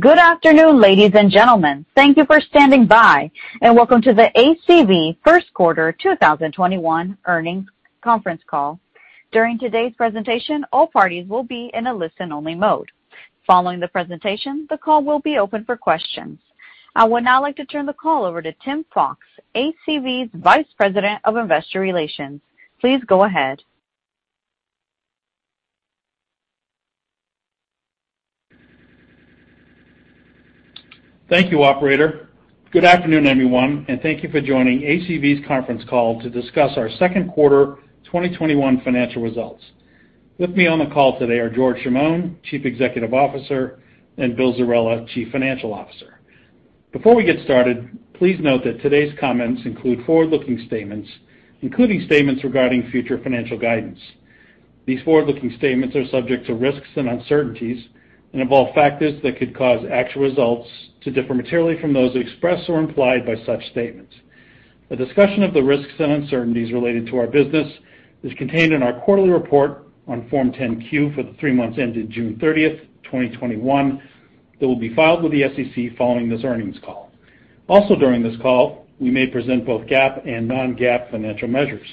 Good afternoon, ladies and gentlemen. Thank you for standing by, and welcome to the ACV first quarter 2021 earnings conference call. During today's presentation, all parties will be in a listen-only mode. Following the presentation, the call will be open for questions. I would now like to turn the call over to Tim Fox, ACV's Vice President of Investor Relations. Please go ahead. Thank you, operator. Good afternoon, everyone, and thank you for joining ACV's conference call to discuss our second quarter 2021 financial results. With me on the call today are George Chamoun, Chief Executive Officer, and Bill Zerella, Chief Financial Officer. Before we get started, please note that today's comments include forward-looking statements, including statements regarding future financial guidance. These forward-looking statements are subject to risks and uncertainties and involve factors that could cause actual results to differ materially from those expressed or implied by such statements. A discussion of the risks and uncertainties related to our business is contained in our quarterly report on Form 10-Q for the three months ended June 30th, 2021, that will be filed with the SEC following this earnings call. Also during this call, we may present both GAAP and non-GAAP financial measures.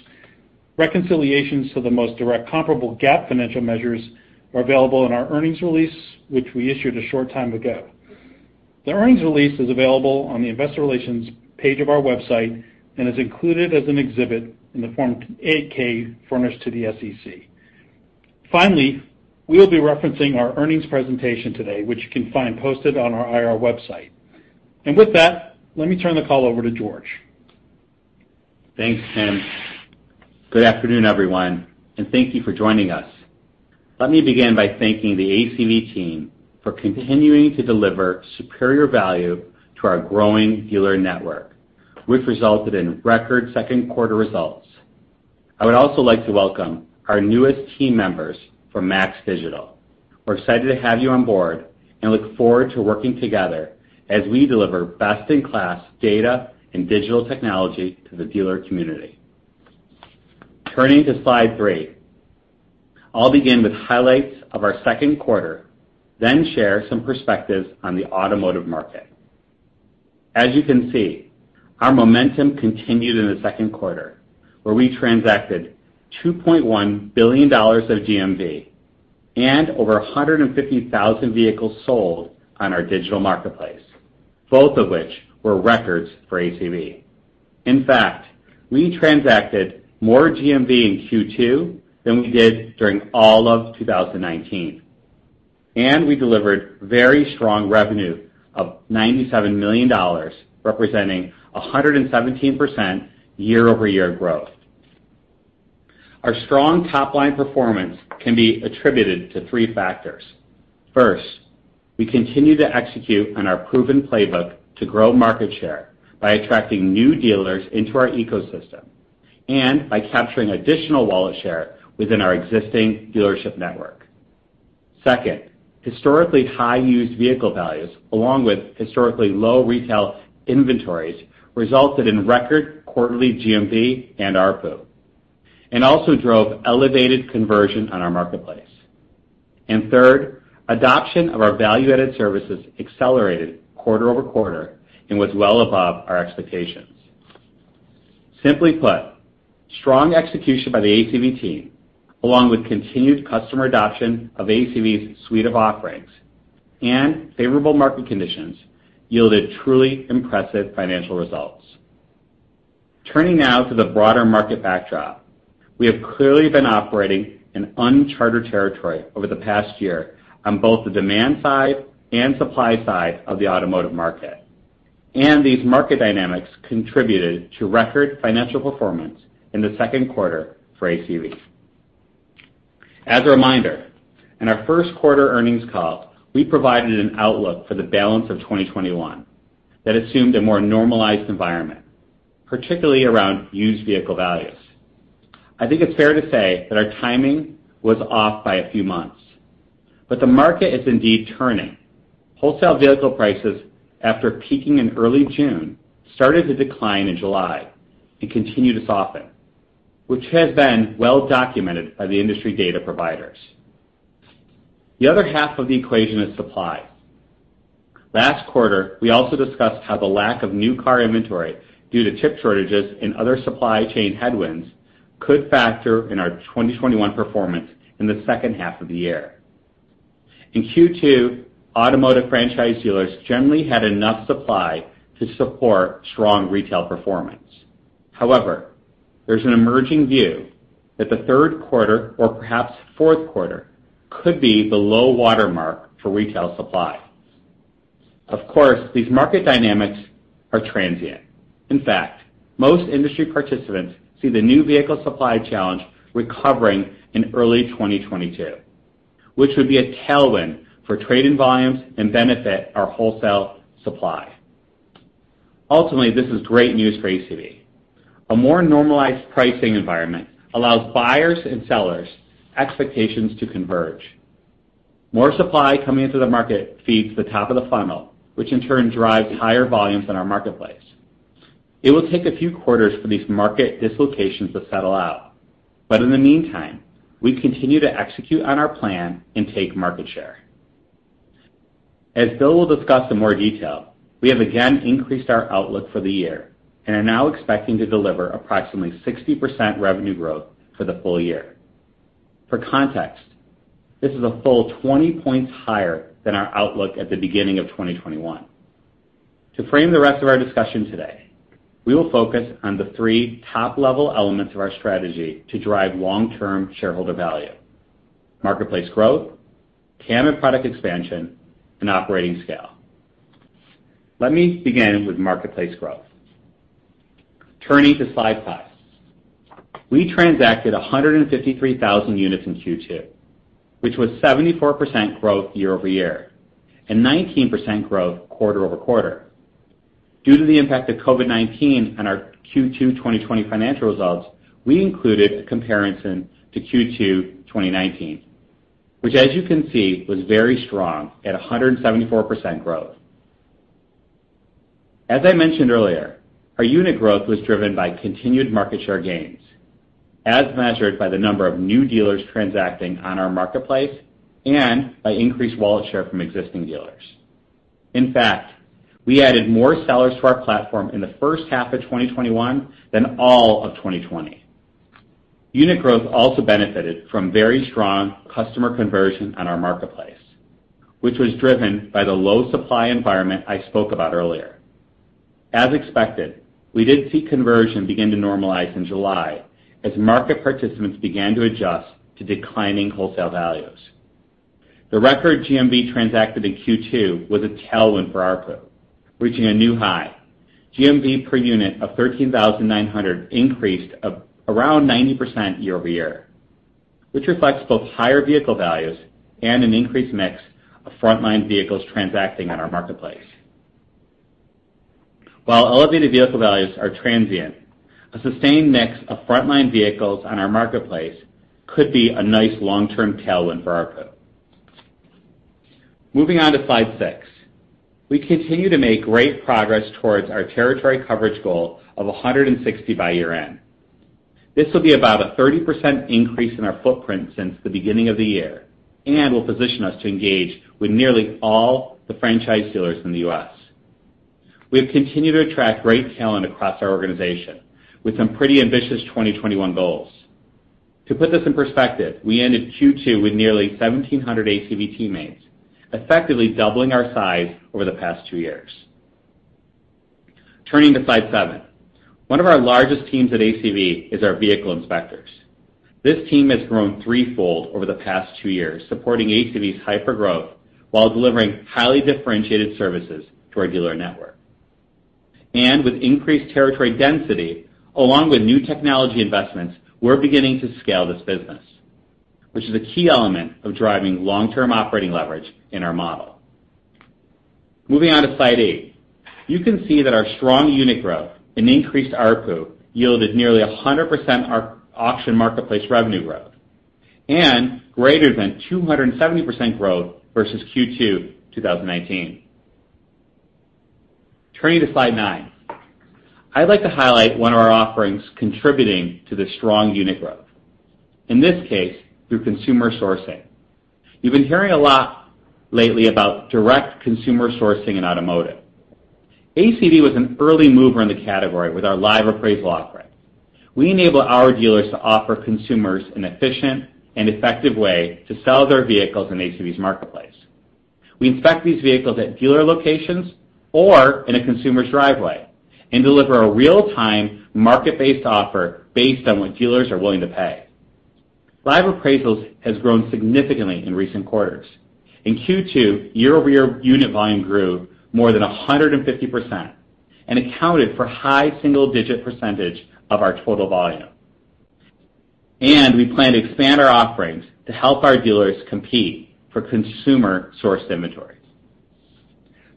Reconciliations to the most direct comparable GAAP financial measures are available in our earnings release, which we issued a short time ago. The earnings release is available on the investor relations page of our website and is included as an exhibit in the Form 8-K furnished to the SEC. We will be referencing our earnings presentation today, which you can find posted on our IR website. With that, let me turn the call over to George. Thanks, Tim. Good afternoon, everyone, and thank you for joining us. Let me begin by thanking the ACV team for continuing to deliver superior value to our growing dealer network, which resulted in record second quarter results. I would also like to welcome our newest team members from MAX Digital. We're excited to have you on board and look forward to working together as we deliver best-in-class data and digital technology to the dealer community. Turning to slide three. I'll begin with highlights of our second quarter, then share some perspectives on the automotive market. As you can see, our momentum continued in the second quarter, where we transacted $2.1 billion of GMV and over 150,000 vehicles sold on our digital marketplace, both of which were records for ACV. In fact, we transacted more GMV in Q2 than we did during all of 2019. We delivered very strong revenue of $97 million, representing 117% year-over-year growth. Our strong top-line performance can be attributed to three factors. First, we continue to execute on our proven playbook to grow market share by attracting new dealers into our ecosystem and by capturing additional wallet share within our existing dealership network. Second, historically high used vehicle values, along with historically low retail inventories, resulted in record quarterly GMV and ARPU, and also drove elevated conversion on our marketplace. Third, adoption of our value-added services accelerated quarter-over-quarter and was well above our expectations. Simply put, strong execution by the ACV team, along with continued customer adoption of ACV's suite of offerings and favorable market conditions, yielded truly impressive financial results. Turning now to the broader market backdrop. We have clearly been operating in uncharted territory over the past year on both the demand side and supply side of the automotive market. These market dynamics contributed to record financial performance in the second quarter for ACV. As a reminder, in our first quarter earnings call, we provided an outlook for the balance of 2021 that assumed a more normalized environment, particularly around used vehicle values. I think it's fair to say that our timing was off by a few months. The market is indeed turning. Wholesale vehicle prices, after peaking in early June, started to decline in July and continue to soften, which has been well documented by the industry data providers. The other half of the equation is supply. Last quarter, we also discussed how the lack of new car inventory due to chip shortages and other supply chain headwinds could factor in our 2021 performance in the second half of the year. In Q2, automotive franchise dealers generally had enough supply to support strong retail performance. However, there's an emerging view that the third quarter or perhaps fourth quarter could be the low water mark for retail supply. Of course, these market dynamics are transient. In fact, most industry participants see the new vehicle supply challenge recovering in early 2022, which would be a tailwind for trade-in volumes and benefit our wholesale supply. Ultimately, this is great news for ACV. A more normalized pricing environment allows buyers and sellers expectations to converge. More supply coming into the market feeds the top of the funnel, which in turn drives higher volumes in our marketplace. It will take a few quarters for these market dislocations to settle out. In the meantime, we continue to execute on our plan and take market share. As Bill will discuss in more detail, we have again increased our outlook for the year and are now expecting to deliver approximately 60% revenue growth for the full year. For context, this is a full 20 points higher than our outlook at the beginning of 2021. To frame the rest of our discussion today, we will focus on the three top-level elements of our strategy to drive long-term shareholder value: marketplace growth, TAM and product expansion, and operating scale. Let me begin with marketplace growth. Turning to slide five. We transacted 153,000 units in Q2, which was 74% growth year-over-year, and 19% growth quarter-over-quarter. Due to the impact of COVID-19 on our Q2 2020 financial results, we included a comparison to Q2 2019, which, as you can see, was very strong at 174% growth. As I mentioned earlier, our unit growth was driven by continued market share gains, as measured by the number of new dealers transacting on our marketplace and by increased wallet share from existing dealers. In fact, we added more sellers to our platform in the first half of 2021 than all of 2020. Unit growth also benefited from very strong customer conversion on our marketplace, which was driven by the low supply environment I spoke about earlier. As expected, we did see conversion begin to normalize in July as market participants began to adjust to declining wholesale values. The record GMV transacted in Q2 was a tailwind for ARPU, reaching a new high. GMV per unit of $13,900 increased around 90% year-over-year, which reflects both higher vehicle values and an increased mix of frontline vehicles transacting on our marketplace. While elevated vehicle values are transient, a sustained mix of frontline vehicles on our marketplace could be a nice long-term tailwind for ARPU. Moving on to slide six. We continue to make great progress towards our territory coverage goal of 160 by year-end. This will be about a 30% increase in our footprint since the beginning of the year and will position us to engage with nearly all the franchise dealers in the U.S. We have continued to attract great talent across our organization, with some pretty ambitious 2021 goals. To put this in perspective, we ended Q2 with nearly 1,700 ACV teammates, effectively doubling our size over the past two years. Turning to slide seven. One of our largest teams at ACV is our vehicle inspectors. This team has grown three-fold over the past two years, supporting ACV's hypergrowth while delivering highly differentiated services to our dealer network. With increased territory density, along with new technology investments, we're beginning to scale this business, which is a key element of driving long-term operating leverage in our model. Moving on to slide eight. You can see that our strong unit growth and increased ARPU yielded nearly 100% auction marketplace revenue growth and greater than 270% growth versus Q2 2019. Turning to slide nine. I'd like to highlight one of our offerings contributing to the strong unit growth. In this case, through consumer sourcing. You've been hearing a lot lately about direct consumer sourcing in automotive. ACV was an early mover in the category with our Live Appraisal offering. We enable our dealers to offer consumers an efficient and effective way to sell their vehicles in ACV's marketplace. We inspect these vehicles at dealer locations or in a consumer's driveway and deliver a real-time, market-based offer based on what dealers are willing to pay. Live Appraisals has grown significantly in recent quarters. In Q2, year-over-year unit volume grew more than 150% and accounted for high single-digit % of our total volume. We plan to expand our offerings to help our dealers compete for consumer-sourced inventory.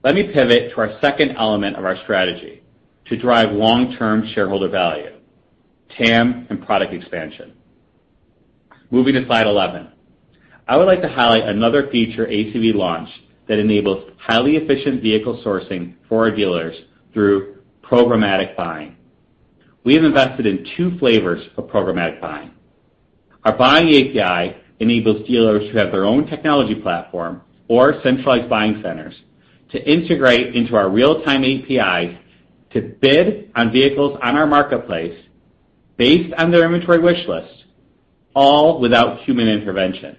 Let me pivot to our second element of our strategy to drive long-term shareholder value, TAM and product expansion. Moving to slide 11. I would like to highlight another feature ACV launched that enables highly efficient vehicle sourcing for our dealers through programmatic buying. We have invested in two flavors of programmatic buying. Our Buying API enables dealers who have their own technology platform or centralized buying centers to integrate into our real-time API to bid on vehicles on our marketplace based on their inventory wish list, all without human intervention.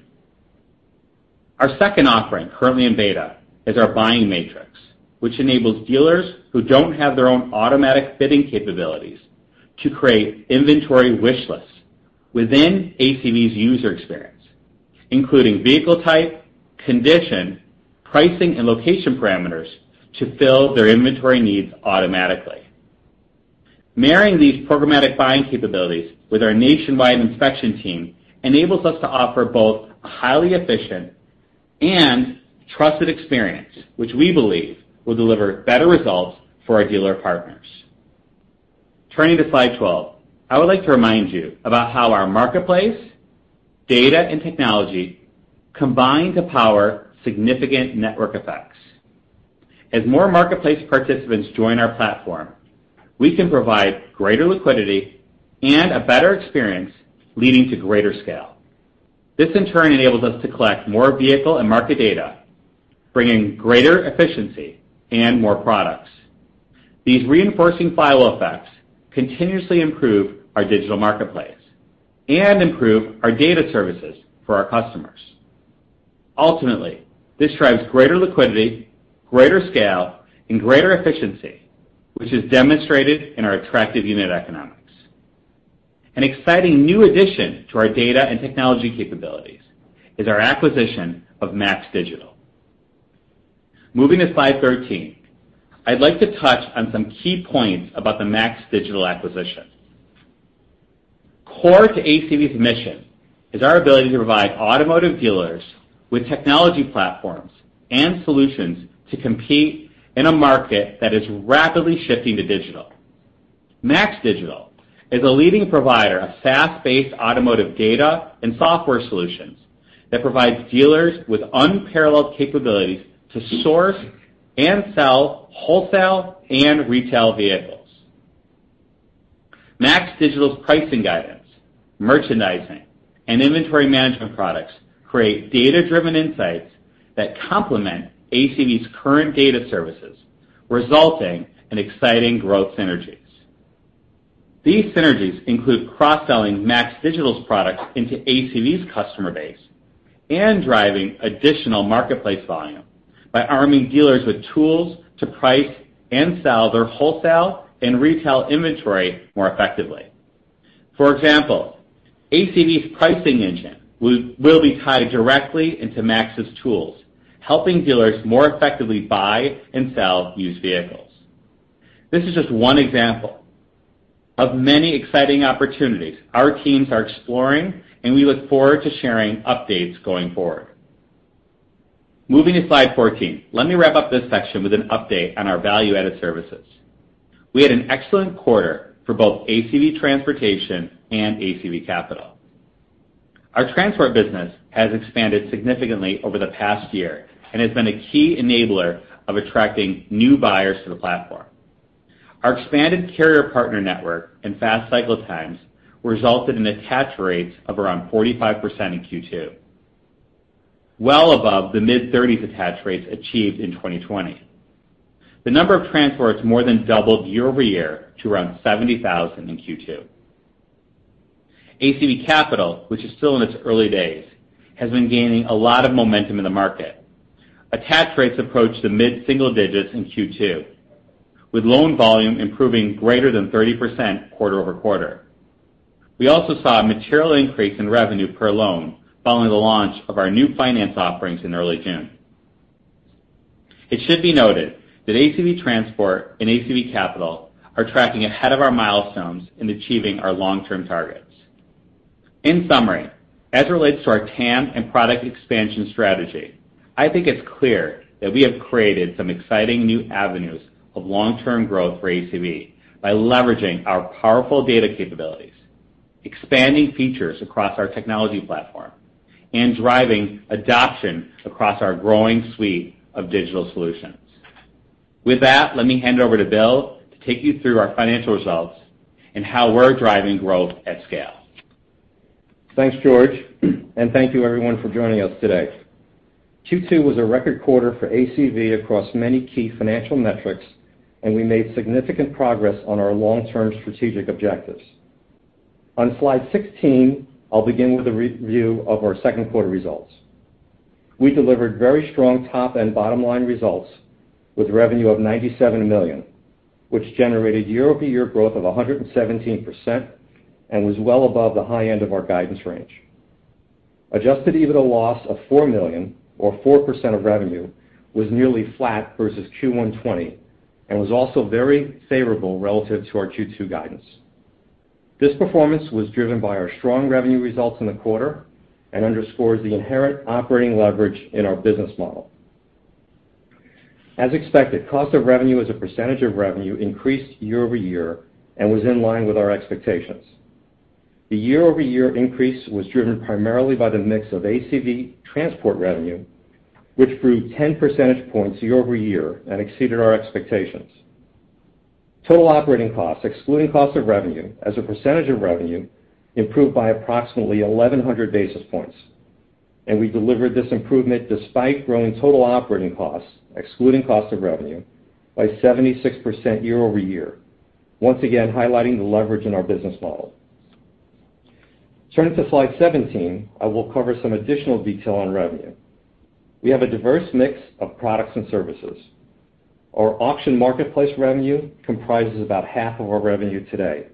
Our second offering, currently in beta, is our Buying Matrix, which enables dealers who don't have their own automatic bidding capabilities to create inventory wish lists within ACV's user experience, including vehicle type, condition, pricing, and location parameters to fill their inventory needs automatically. Marrying these programmatic buying capabilities with our nationwide inspection team enables us to offer both a highly efficient and trusted experience, which we believe will deliver better results for our dealer partners. Turning to slide 12, I would like to remind you about how our marketplace data and technology combine to power significant network effects. As more marketplace participants join our platform, we can provide greater liquidity and a better experience, leading to greater scale. This, in turn, enables us to collect more vehicle and market data, bringing greater efficiency and more products. These reinforcing flywheel effects continuously improve our digital marketplace and improve our data services for our customers. Ultimately, this drives greater liquidity, greater scale, and greater efficiency, which is demonstrated in our attractive unit economics. An exciting new addition to our data and technology capabilities is our acquisition of MAX Digital. Moving to slide 13, I'd like to touch on some key points about the MAX Digital acquisition. Core to ACV's mission is our ability to provide automotive dealers with technology platforms and solutions to compete in a market that is rapidly shifting to digital. MAX Digital is a leading provider of SaaS-based automotive data and software solutions that provides dealers with unparalleled capabilities to source and sell wholesale and retail vehicles. MAX Digital's pricing guidance, merchandising, and inventory management products create data-driven insights that complement ACV's current data services, resulting in exciting growth synergies. These synergies include cross-selling MAX Digital's products into ACV's customer base and driving additional marketplace volume by arming dealers with tools to price and sell their wholesale and retail inventory more effectively. For example, ACV's pricing engine will be tied directly into MAX's tools, helping dealers more effectively buy and sell used vehicles. This is just one example of many exciting opportunities our teams are exploring, and we look forward to sharing updates going forward. Moving to slide 14. Let me wrap up this section with an update on our value-added services. We had an excellent quarter for both ACV Transportation and ACV Capital. Our transport business has expanded significantly over the past year and has been a key enabler of attracting new buyers to the platform. Our expanded carrier partner network and fast cycle times resulted in attach rates of around 45% in Q2, well above the mid-30s attach rates achieved in 2020. The number of transports more than doubled year over year to around 70,000 in Q2. ACV Capital, which is still in its early days, has been gaining a lot of momentum in the market. Attach rates approached the mid-single digits in Q2, with loan volume improving greater than 30% quarter-over-quarter. We also saw a material increase in revenue per loan following the launch of our new finance offerings in early June. It should be noted that ACV Transportation and ACV Capital are tracking ahead of our milestones in achieving our long-term targets. In summary, as it relates to our TAM and product expansion strategy, I think it's clear that we have created some exciting new avenues of long-term growth for ACV by leveraging our powerful data capabilities, expanding features across our technology platform, and driving adoption across our growing suite of digital solutions. With that, let me hand over to Bill to take you through our financial results and how we're driving growth at scale. Thanks, George, and thank you, everyone, for joining us today. Q2 was a record quarter for ACV across many key financial metrics, and we made significant progress on our long-term strategic objectives. On slide 16, I'll begin with a review of our second quarter results. We delivered very strong top and bottom-line results with revenue of $97 million, which generated year-over-year growth of 117% and was well above the high end of our guidance range. Adjusted EBITDA loss of $4 million or 4% of revenue was nearly flat versus Q1 2020 and was also very favorable relative to our Q2 guidance. This performance was driven by our strong revenue results in the quarter and underscores the inherent operating leverage in our business model. As expected, cost of revenue as a percentage of revenue increased year-over-year and was in line with our expectations. The year-over-year increase was driven primarily by the mix of ACV transport revenue, which grew 10 percentage points year-over-year and exceeded our expectations. Total operating costs, excluding cost of revenue as a percentage of revenue, improved by approximately 1,100 basis points. We delivered this improvement despite growing total operating costs, excluding cost of revenue, by 76% year-over-year. Once again, highlighting the leverage in our business model. Turning to slide 17, I will cover some additional detail on revenue. We have a diverse mix of products and services. Our auction marketplace revenue comprises about half of our revenue today,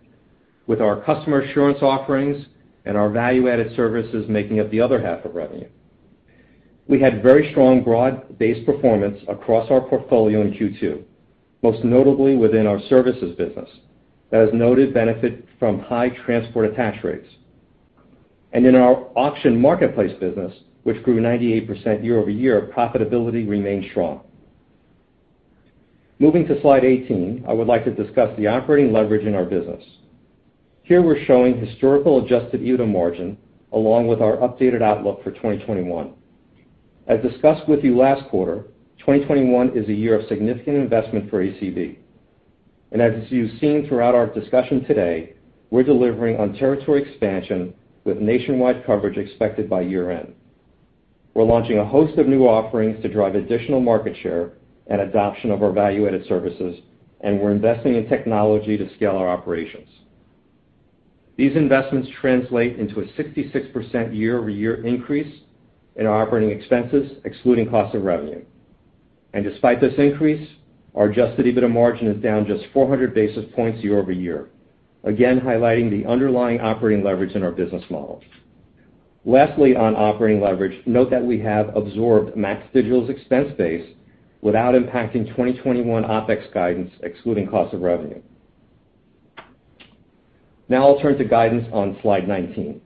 with our customer assurance offerings and our value-added services making up the other half of revenue. We had very strong, broad-based performance across our portfolio in Q2, most notably within our services business that has noted benefit from high transport attach rates. In our auction marketplace business, which grew 98% year-over-year, profitability remained strong. Moving to slide 18, I would like to discuss the operating leverage in our business. Here we're showing historical adjusted EBITDA margin, along with our updated outlook for 2021. As discussed with you last quarter, 2021 is a year of significant investment for ACV. As you've seen throughout our discussion today, we're delivering on territory expansion with nationwide coverage expected by year-end. We're launching a host of new offerings to drive additional market share and adoption of our value-added services, and we're investing in technology to scale our operations. These investments translate into a 66% year-over-year increase in our operating expenses, excluding cost of revenue. Despite this increase, our adjusted EBITDA margin is down just 400 basis points year-over-year, again highlighting the underlying operating leverage in our business model. Lastly, on operating leverage, note that we have absorbed MAX Digital's expense base without impacting 2021 OPEX guidance, excluding cost of revenue. Now I'll turn to guidance on slide 19.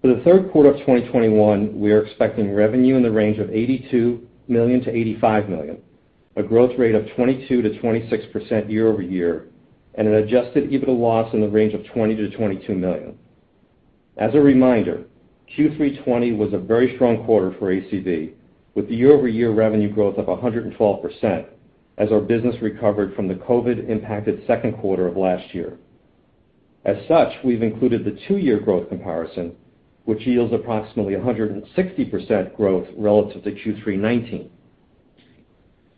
For the third quarter of 2021, we are expecting revenue in the range of $82 million-$85 million, a growth rate of 22%-26% year-over-year, and an adjusted EBITDA loss in the range of $20 million-$22 million. As a reminder, Q3 2020 was a very strong quarter for ACV, with the year-over-year revenue growth of 112%, as our business recovered from the COVID-19-impacted second quarter of last year. As such, we've included the two-year growth comparison, which yields approximately 160% growth relative to Q3 2019.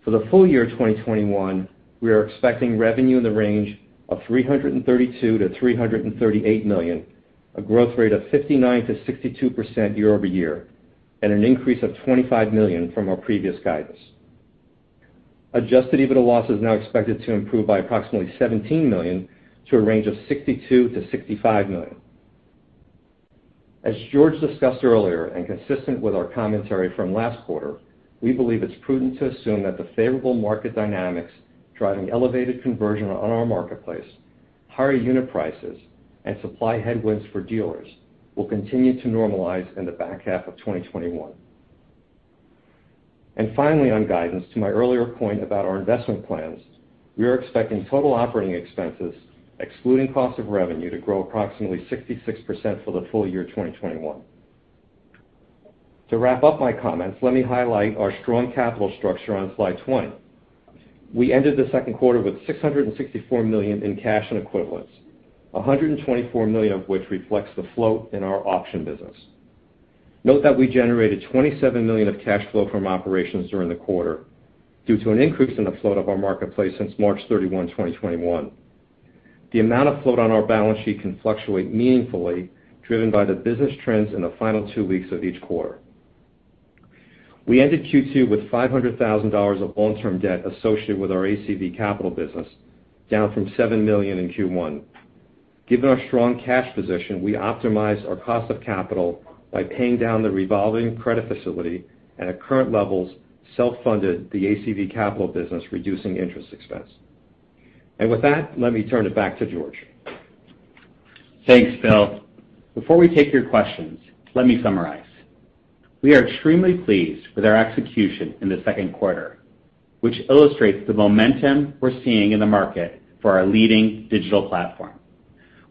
For the full year 2021, we are expecting revenue in the range of $332 million-$338 million, a growth rate of 59%-62% year-over-year, and an increase of $25 million from our previous guidance. Adjusted EBITDA loss is now expected to improve by approximately $17 million to a range of $62 million-$65 million. As George discussed earlier, and consistent with our commentary from last quarter, we believe it's prudent to assume that the favorable market dynamics driving elevated conversion on our marketplace, higher unit prices, and supply headwinds for dealers will continue to normalize in the back half of 2021. Finally on guidance, to my earlier point about our investment plans, we are expecting total operating expenses, excluding cost of revenue, to grow approximately 66% for the full year 2021. To wrap up my comments, let me highlight our strong capital structure on slide 20. We ended the second quarter with $664 million in cash and equivalents, $124 million of which reflects the float in our auction business. Note that we generated $27 million of cash flow from operations during the quarter due to an increase in the float of our marketplace since March 31, 2021. The amount of float on our balance sheet can fluctuate meaningfully, driven by the business trends in the final two weeks of each quarter. We ended Q2 with $500,000 of long-term debt associated with our ACV Capital business, down from $7 million in Q1. Given our strong cash position, we optimized our cost of capital by paying down the revolving credit facility at current levels, self-funded the ACV Capital business, reducing interest expense. With that, let me turn it back to George. Thanks, Bill. Before we take your questions, let me summarize. We are extremely pleased with our execution in the second quarter, which illustrates the momentum we're seeing in the market for our leading digital platform.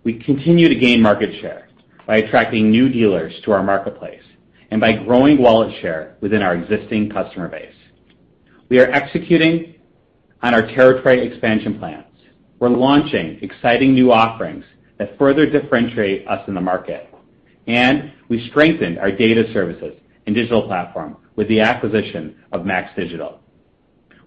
We continue to gain market share by attracting new dealers to our marketplace and by growing wallet share within our existing customer base. We are executing on our territory expansion plans. We're launching exciting new offerings that further differentiate us in the market, and we strengthened our data services and digital platform with the acquisition of MAX Digital.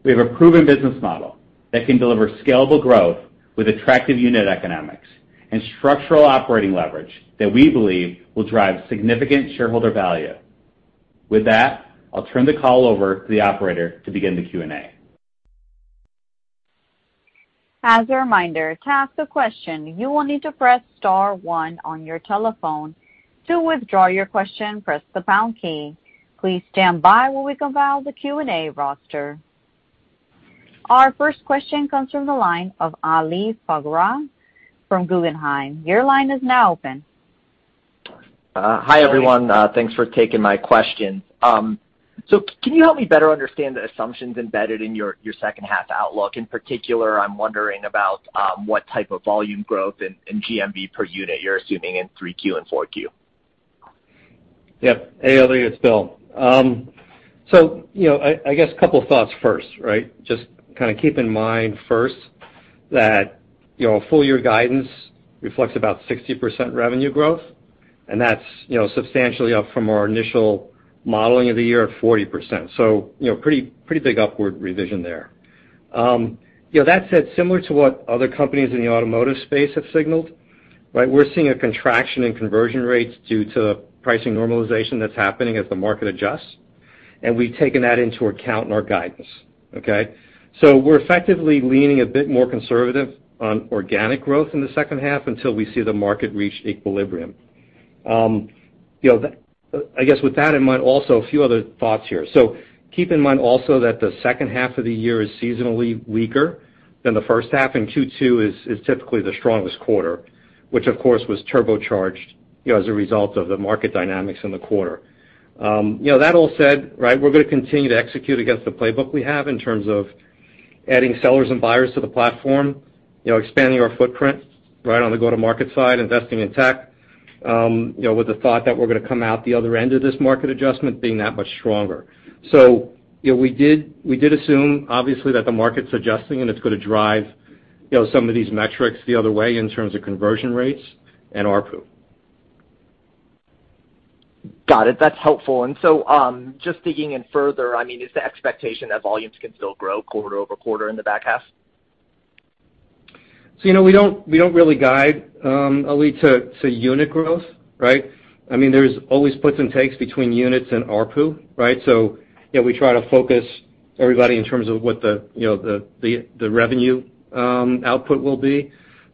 We have a proven business model that can deliver scalable growth with attractive unit economics and structural operating leverage that we believe will drive significant shareholder value. With that, I'll turn the call over to the operator to begin the Q&A. As a reminder, to ask a question, you will need to press star one on your telephone. To withdraw your question, press the pound key. Please stand by while we compile the Q&A roster. Our first question comes from the line of Ali Faghri from Guggenheim. Your line is now open. Hi, everyone. Thanks for taking my questions. Can you help me better understand the assumptions embedded in your second half outlook? In particular, I'm wondering about what type of volume growth and GMV per unit you're assuming in 3Q and 4Q. Yep. Hey, Ali, it's Bill. I guess a couple thoughts first, right? Just kind of keep in mind first that our full-year guidance reflects about 60% revenue growth, and that's substantially up from our initial modeling of the year of 40%. Pretty big upward revision there. That said, similar to what other companies in the automotive space have signaled, right, we're seeing a contraction in conversion rates due to pricing normalization that's happening as the market adjusts, and we've taken that into account in our guidance. Okay? We're effectively leaning a bit more conservative on organic growth in the second half until we see the market reach equilibrium. I guess with that in mind, also a few other thoughts here. Keep in mind also that the second half of the year is seasonally weaker than the first half, and Q2 is typically the strongest quarter. Which, of course, was turbocharged as a result of the market dynamics in the quarter. That all said, we're going to continue to execute against the playbook we have in terms of adding sellers and buyers to the platform, expanding our footprint right on the go-to-market side, investing in tech, with the thought that we're going to come out the other end of this market adjustment being that much stronger. We did assume, obviously, that the market's adjusting, and it's going to drive some of these metrics the other way in terms of conversion rates and ARPU. Got it. That's helpful. Just digging in further, is the expectation that volumes can still grow quarter-over-quarter in the back half? We don't really guide, Ali, to unit growth, right? There's always puts and takes between units and ARPU, so we try to focus everybody in terms of what the revenue output will be.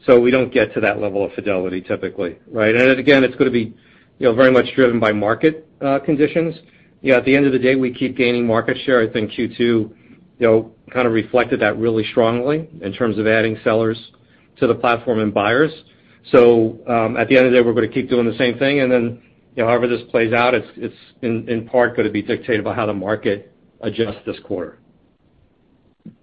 We don't get to that level of fidelity typically. Again, it's going to be very much driven by market conditions. At the end of the day, we keep gaining market share. I think Q2 kind of reflected that really strongly in terms of adding sellers to the platform and buyers. At the end of the day, we're going to keep doing the same thing, and then however this plays out, it's in part going to be dictated by how the market adjusts this quarter.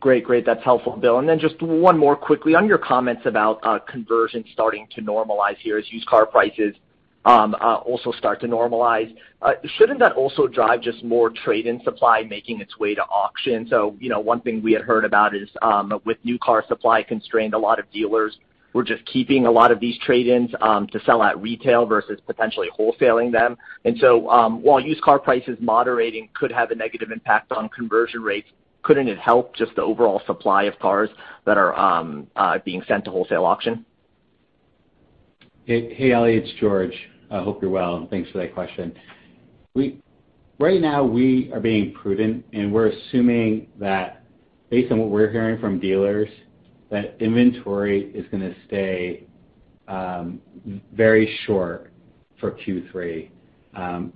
Great. That's helpful, Bill. Just one more quickly. On your comments about conversion starting to normalize here as used car prices also start to normalize, shouldn't that also drive just more trade-in supply making its way to auction? One thing we had heard about is with new car supply constrained, a lot of dealers were just keeping a lot of these trade-ins to sell at retail versus potentially wholesaling them. While used car prices moderating could have a negative impact on conversion rates, couldn't it help just the overall supply of cars that are being sent to wholesale auction? Hey, Ali, it's George. I hope you're well. Thanks for that question. Right now, we are being prudent. We're assuming that based on what we're hearing from dealers, that inventory is going to stay very short for Q3.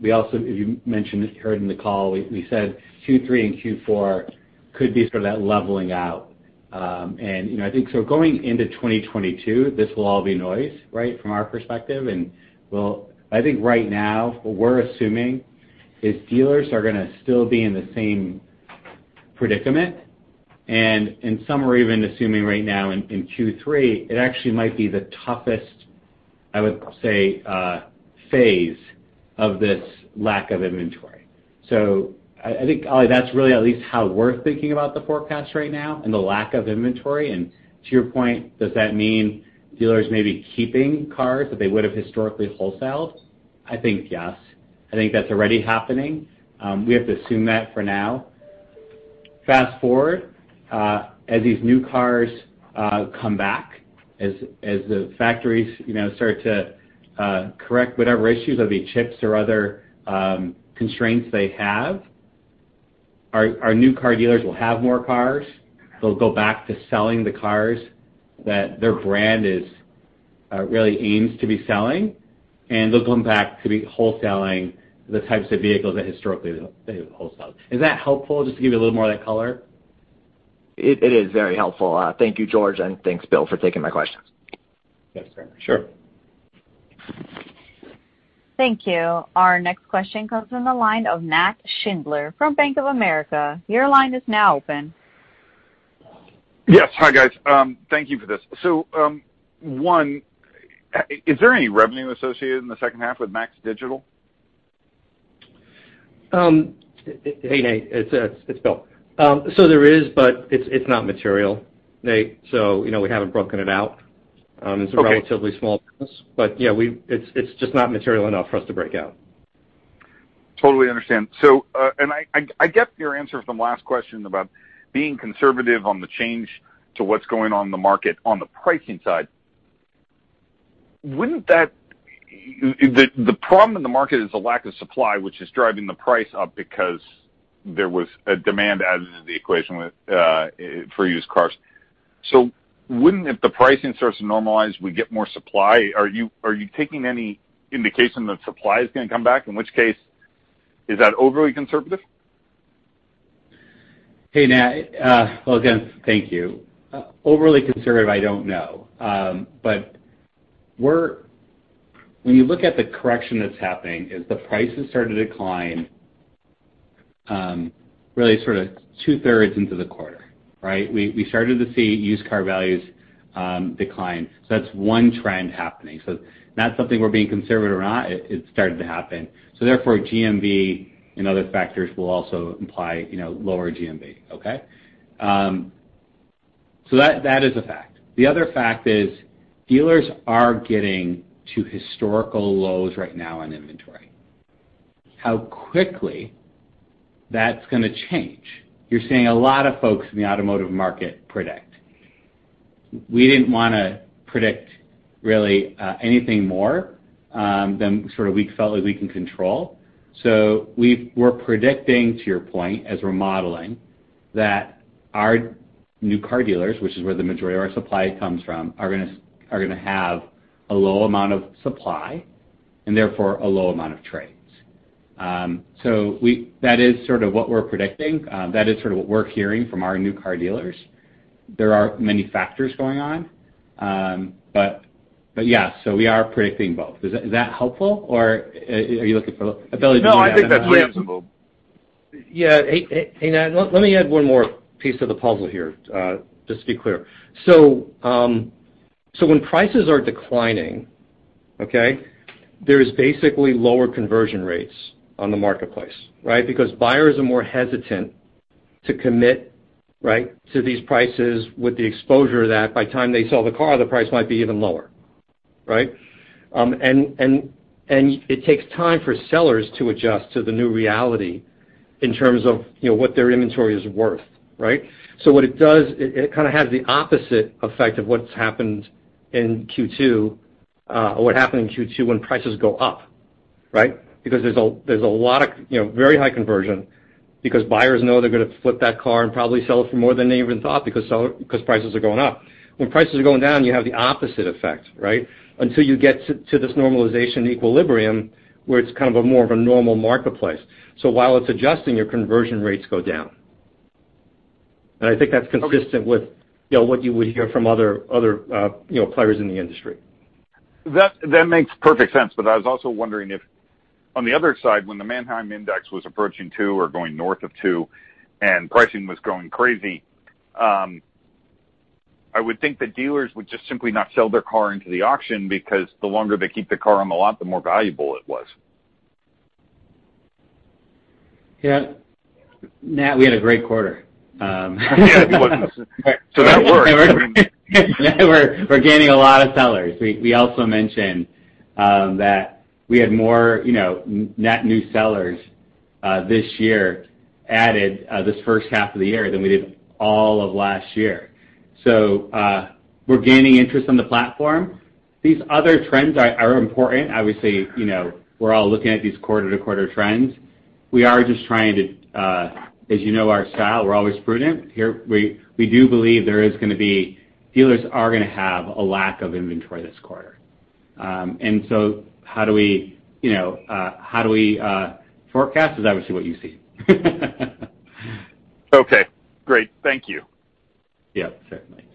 We also, if you mentioned, heard in the call, we said Q3 and Q4 could be sort of that leveling out. I think going into 2022, this will all be noise from our perspective. I think right now, what we're assuming is dealers are going to still be in the same predicament, and some are even assuming right now in Q3, it actually might be the toughest, I would say, phase of this lack of inventory. I think, Ali, that's really at least how we're thinking about the forecast right now and the lack of inventory. To your point, does that mean dealers may be keeping cars that they would've historically wholesaled? I think yes. I think that's already happening. We have to assume that for now. Fast-forward, as these new cars come back, as the factories start to correct whatever issues, whether it be chips or other constraints they have, our new car dealers will have more cars. They'll go back to selling the cars that their brand really aims to be selling, and they'll come back to be wholesaling the types of vehicles that historically they would wholesale. Is that helpful, just to give you a little more of that color? It is very helpful. Thank you, George, and thanks, Bill, for taking my questions. Yes, sure. Thank you. Our next question comes from the line of Nat Schindler from Bank of America. Your line is now open. Yes. Hi, guys. Thank you for this. One, is there any revenue associated in the second half with MAX Digital? Hey, Nat, it's Bill. There is, but it's not material, Nat, so we haven't broken it out. Okay. It's a relatively small business. It's just not material enough for us to break out. Totally understand. I get your answer from the last question about being conservative on the change to what's going on in the market on the pricing side. The problem in the market is the lack of supply, which is driving the price up because there was a demand added into the equation for used cars. Wouldn't if the pricing starts to normalize, we'd get more supply? Are you taking any indication that supply is going to come back, in which case is that overly conservative? Hey, Nat. Again, thank you. Overly conservative, I don't know. When you look at the correction that's happening, as the prices start to decline, really sort of two-thirds into the quarter, right? We started to see used car values decline. That's one trend happening. Not something we're being conservative or not. It started to happen. GMV and other factors will also imply lower GMV, okay? That is a fact. The other fact is dealers are getting to historical lows right now on inventory. How quickly that's going to change, you're seeing a lot of folks in the automotive market predict. We didn't want to predict really anything more than sort of we felt like we can control. We're predicting, to your point, as we're modeling, that our new car dealers, which is where the majority of our supply comes from, are going to have a low amount of supply and therefore a low amount of trades. That is sort of what we're predicting. That is sort of what we're hearing from our new car dealers. There are many factors going on. Yeah, we are predicting both. Is that helpful, or are you looking for ability? No, I think that's reasonable. Hey, Nat, let me add one more piece of the puzzle here, just to be clear. When prices are declining, okay, there is basically lower conversion rates on the marketplace, right? Because buyers are more hesitant to commit, right, to these prices with the exposure that by the time they sell the car, the price might be even lower. Right? It takes time for sellers to adjust to the new reality in terms of what their inventory is worth, right? What it does, it kind of has the opposite effect of what's happened in Q2, or what happened in Q2 when prices go up. Right? Because there's a very high conversion, because buyers know they're going to flip that car and probably sell it for more than they even thought, because prices are going up. When prices are going down, you have the opposite effect, right? Until you get to this normalization equilibrium, where it's kind of a more of a normal marketplace. While it's adjusting, your conversion rates go down. I think that's consistent with what you would hear from other players in the industry. That makes perfect sense. I was also wondering if, on the other side, when the Manheim Index was approaching two or going north of two and pricing was going crazy, I would think the dealers would just simply not sell their car into the auction, because the longer they keep the car on the lot, the more valuable it was. Yeah. Nat, we had a great quarter. Yeah. That worked. We're gaining a lot of sellers. We also mentioned that we had more net new sellers this year added this first half of the year than we did all of last year. We're gaining interest on the platform. These other trends are important. Obviously, we're all looking at these quarter-to-quarter trends. We are just trying to As you know our style, we're always prudent here. We do believe there is going to be dealers are going to have a lack of inventory this quarter. How do we forecast is obviously what you see. Okay, great. Thank you. Yeah. Certainly.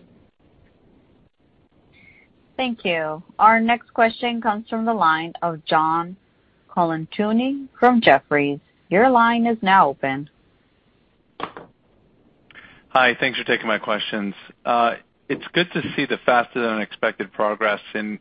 Thank you. Our next question comes from the line of John Colantuoni from Jefferies. Your line is now open. Hi. Thanks for taking my questions. It's good to see the faster than expected progress in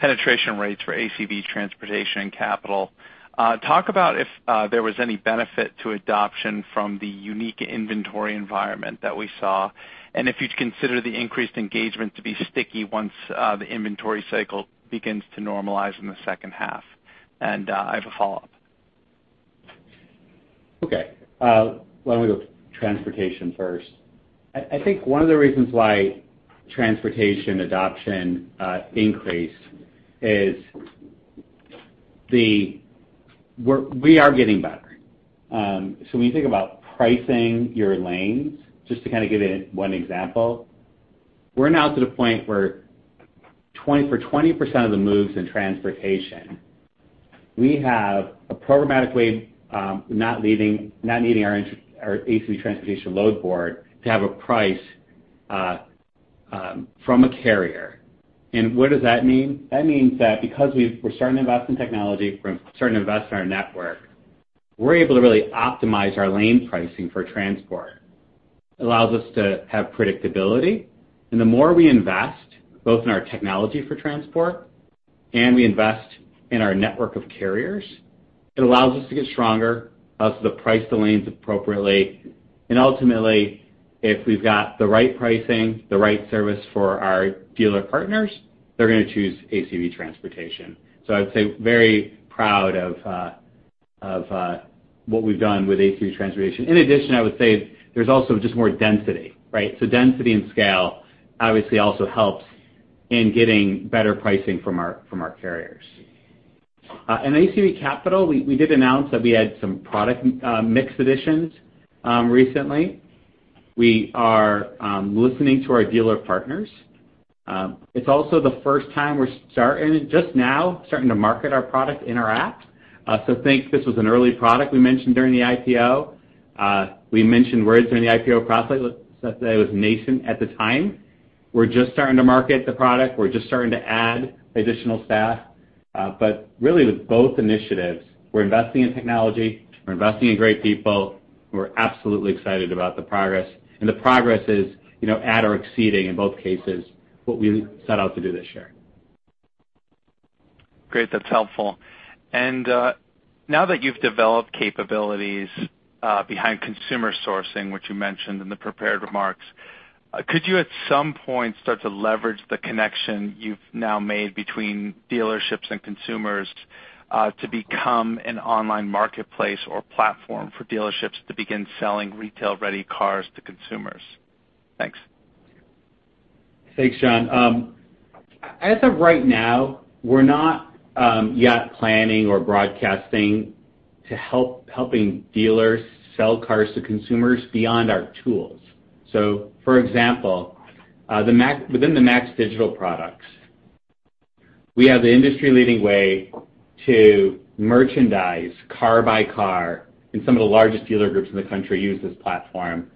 penetration rates for ACV Transportation and ACV Capital. Talk about if there was any benefit to adoption from the unique inventory environment that we saw, and if you'd consider the increased engagement to be sticky once the inventory cycle begins to normalize in the second half. I have a follow-up. Okay. Why don't we go transportation first? I think one of the reasons why transportation adoption increased is we are getting better. When you think about pricing your lanes, just to kind of give it one example, we're now to the point where for 20% of the moves in transportation, we have a programmatically not needing our ACV Transportation load board to have a price from a carrier. What does that mean? That means that because we're starting to invest in technology, starting to invest in our network, we're able to really optimize our lane pricing for transport. Allows us to have predictability. The more we invest, both in our technology for transport and we invest in our network of carriers, it allows us to get stronger, allows us to price the lanes appropriately. Ultimately, if we've got the right pricing, the right service for our dealer partners, they're going to choose ACV Transportation. I would say, very proud of what we've done with ACV Transportation. In addition, I would say there's also just more density, right? Density and scale obviously also helps in getting better pricing from our carriers. In ACV Capital, we did announce that we had some product mix additions recently. We are listening to our dealer partners. It's also the first time we're just now starting to market our product in our app. Think this was an early product we mentioned during the IPO. We mentioned words during the IPO process that was nascent at the time. We're just starting to market the product. We're just starting to add additional staff. Really with both initiatives, we're investing in technology, we're investing in great people, we're absolutely excited about the progress, and the progress is at or exceeding, in both cases, what we set out to do this year. Great. That's helpful. Now that you've developed capabilities behind consumer sourcing, which you mentioned in the prepared remarks, could you at some point start to leverage the connection you've now made between dealerships and consumers to become an online marketplace or platform for dealerships to begin selling retail-ready cars to consumers? Thanks. Thanks, John. As of right now, we're not yet planning or broadcasting to helping dealers sell cars to consumers beyond our tools. For example, within the MAX Digital products. We have the industry-leading way to merchandise car by car, and some of the largest dealer groups in the country use this platform.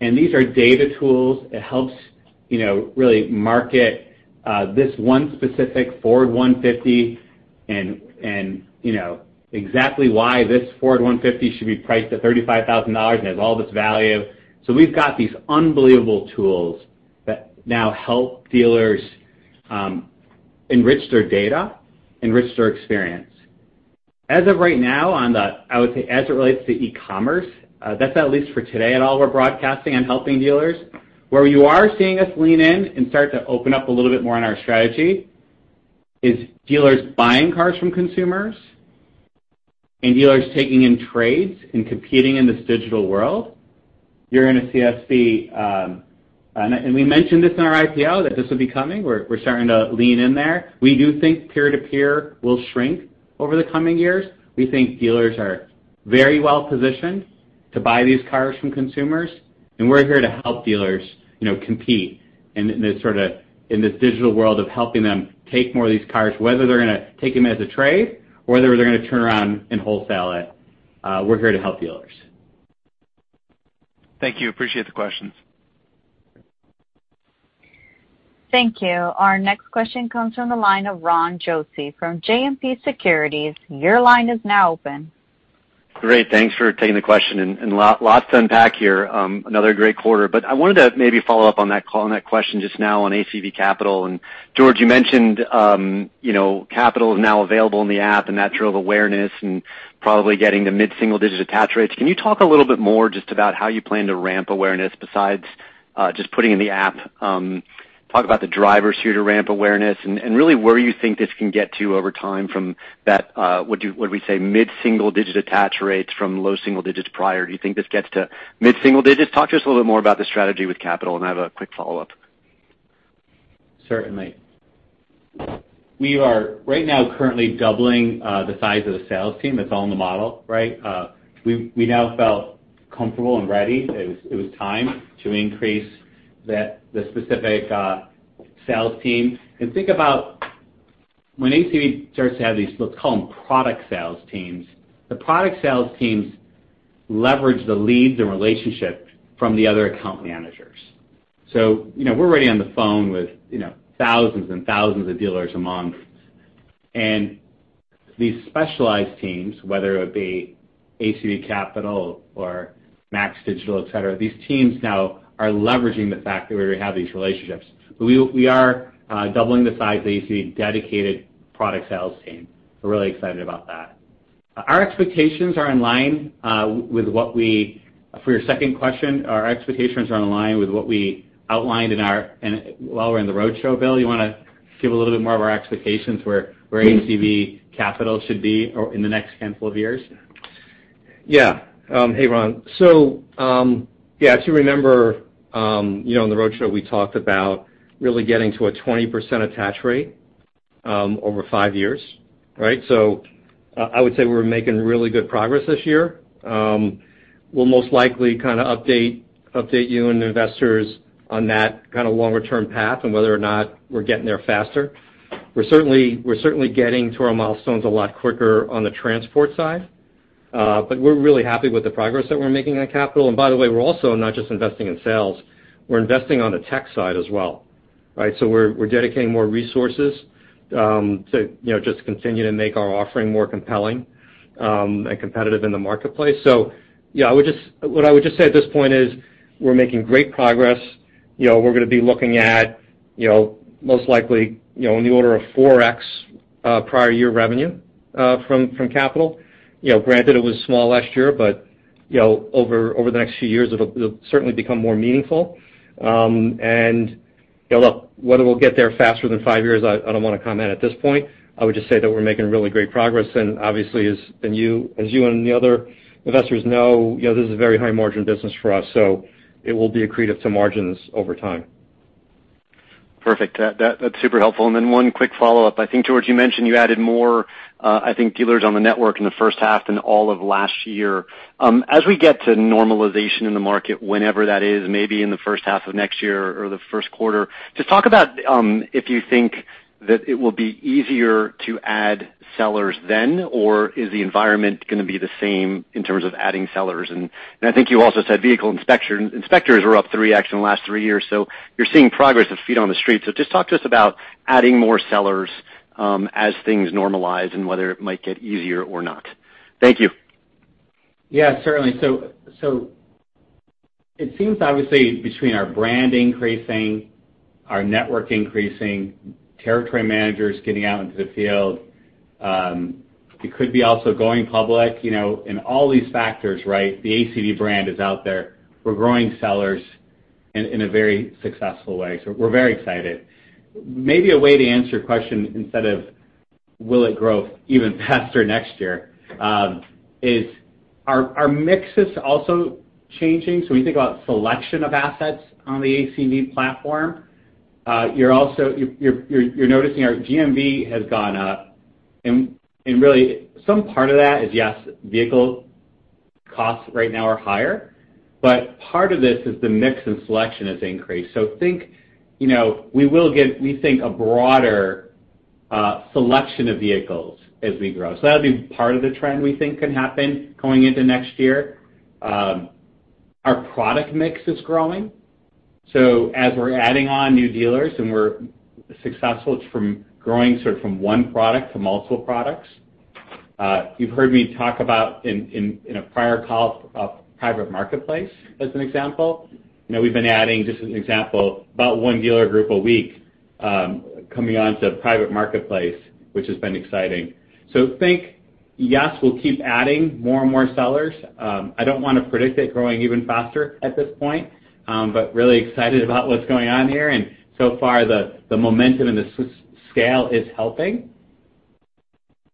These are data tools that helps really market this one specific Ford F-150, and exactly why this Ford F-150 should be priced at $35,000, and has all this value. We've got these unbelievable tools that now help dealers enrich their data, enrich their experience. As of right now, I would say, as it relates to e-commerce, that's at least for today and all we're broadcasting and helping dealers. Where you are seeing us lean in and start to open up a little bit more on our strategy is dealers buying cars from consumers, and dealers taking in trades and competing in this digital world. You're going to see us be, and we mentioned this in our IPO that this would be coming. We're starting to lean in there. We do think peer-to-peer will shrink over the coming years. We think dealers are very well-positioned to buy these cars from consumers, and we're here to help dealers compete in this digital world of helping them take more of these cars, whether they're going to take them as a trade or whether they're going to turn around and wholesale it. We're here to help dealers. Thank you. Appreciate the questions. Thank you. Our next question comes from the line of Ron Josey from JMP Securities. Great. Thanks for taking the question. Lots to unpack here. Another great quarter. I wanted to maybe follow up on that call, on that question just now on ACV Capital. George, you mentioned Capital is now available in the app, and that drove awareness and probably getting to mid-single-digit attach rates. Can you talk a little bit more just about how you plan to ramp awareness besides just putting in the app? Talk about the drivers for you to ramp awareness, and really where you think this can get to over time from that, what we say, mid-single-digit attach rates from low single digits prior. Do you think this gets to mid-single digits? Talk to us a little bit more about the strategy with Capital. I have a quick follow-up. Certainly. We are right now currently doubling the size of the sales team. It's all in the model, right? We now felt comfortable and ready. It was time to increase the specific sales team. Think about when ACV starts to have these, let's call them product sales teams. The product sales teams leverage the leads and relationships from the other account managers. We're already on the phone with thousands and thousands of dealers a month. These specialized teams, whether it be ACV Capital or MAX Digital, et cetera, these teams now are leveraging the fact that we already have these relationships. We are doubling the size of the ACV dedicated product sales team. We're really excited about that. For your second question, our expectations are in line with what we outlined in our. While we're in the roadshow, Bill, you want to give a little bit more of our expectations where ACV Capital should be or in the next handful of years? Hey, Ron. If you remember, on the roadshow, we talked about really getting to a 20% attach rate, over five years, right. I would say we're making really good progress this year. We'll most likely kind of update you and the investors on that kind of longer-term path and whether or not we're getting there faster. We're certainly getting to our milestones a lot quicker on the Transportation side. We're really happy with the progress that we're making on Capital. By the way, we're also not just investing in sales, we're investing on the tech side as well, right. We're dedicating more resources to just continue to make our offering more compelling, and competitive in the marketplace. What I would just say at this point is we're making great progress. We're going to be looking at, most likely, in the order of 4x prior year revenue from Capital. Granted it was small last year, but over the next few years, it'll certainly become more meaningful. Look, whether we'll get there faster than five years, I don't want to comment at this point. I would just say that we're making really great progress, and obviously as you and the other investors know, this is a very high-margin business for us, so it will be accretive to margins over time. Perfect. That's super helpful. Then one quick follow-up. I think, George, you mentioned you added more, I think dealers on the network in the first half than all of last year. As we get to normalization in the market, whenever that is, maybe in the first half of next year or the first quarter, just talk about if you think that it will be easier to add sellers then, or is the environment going to be the same in terms of adding sellers? I think you also said vehicle inspectors were up 3x in the last three years. You're seeing progress of feet on the street. Just talk to us about adding more sellers, as things normalize and whether it might get easier or not. Thank you. Yeah, certainly. It seems obviously between our brand increasing, our network increasing, territory managers getting out into the field, it could be also going public, and all these factors, right? The ACV brand is out there. We're growing sellers in a very successful way. We're very excited. Maybe a way to answer your question instead of will it grow even faster next year, is our mix is also changing. When you think about selection of assets on the ACV platform, you're noticing our GMV has gone up, and really some part of that is, yes, vehicle costs right now are higher, but part of this is the mix and selection has increased. Think, we will get, we think, a broader selection of vehicles as we grow. That'll be part of the trend we think can happen going into next year. Our product mix is growing. As we're adding on new dealers, and we're successful from growing sort of from one product to multiple products. You've heard me talk about, in a prior call, a Private Marketplace as an example. We've been adding, just as an example, about one dealer group a week coming onto the Private Marketplace, which has been exciting. Think, yes, we'll keep adding more and more sellers. I don't want to predict it growing even faster at this point. Really excited about what's going on here, and so far, the momentum and the scale is helping.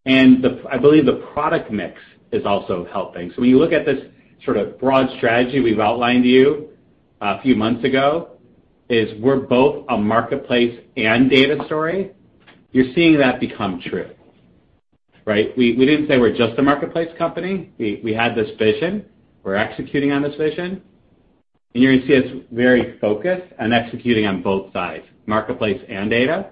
I believe the product mix is also helping. When you look at this sort of broad strategy we've outlined to you a few months ago, is we're both a marketplace and data story. You're seeing that become true. Right? We didn't say we're just a marketplace company. We had this vision. We're executing on this vision. You're going to see us very focused on executing on both sides, marketplace and data.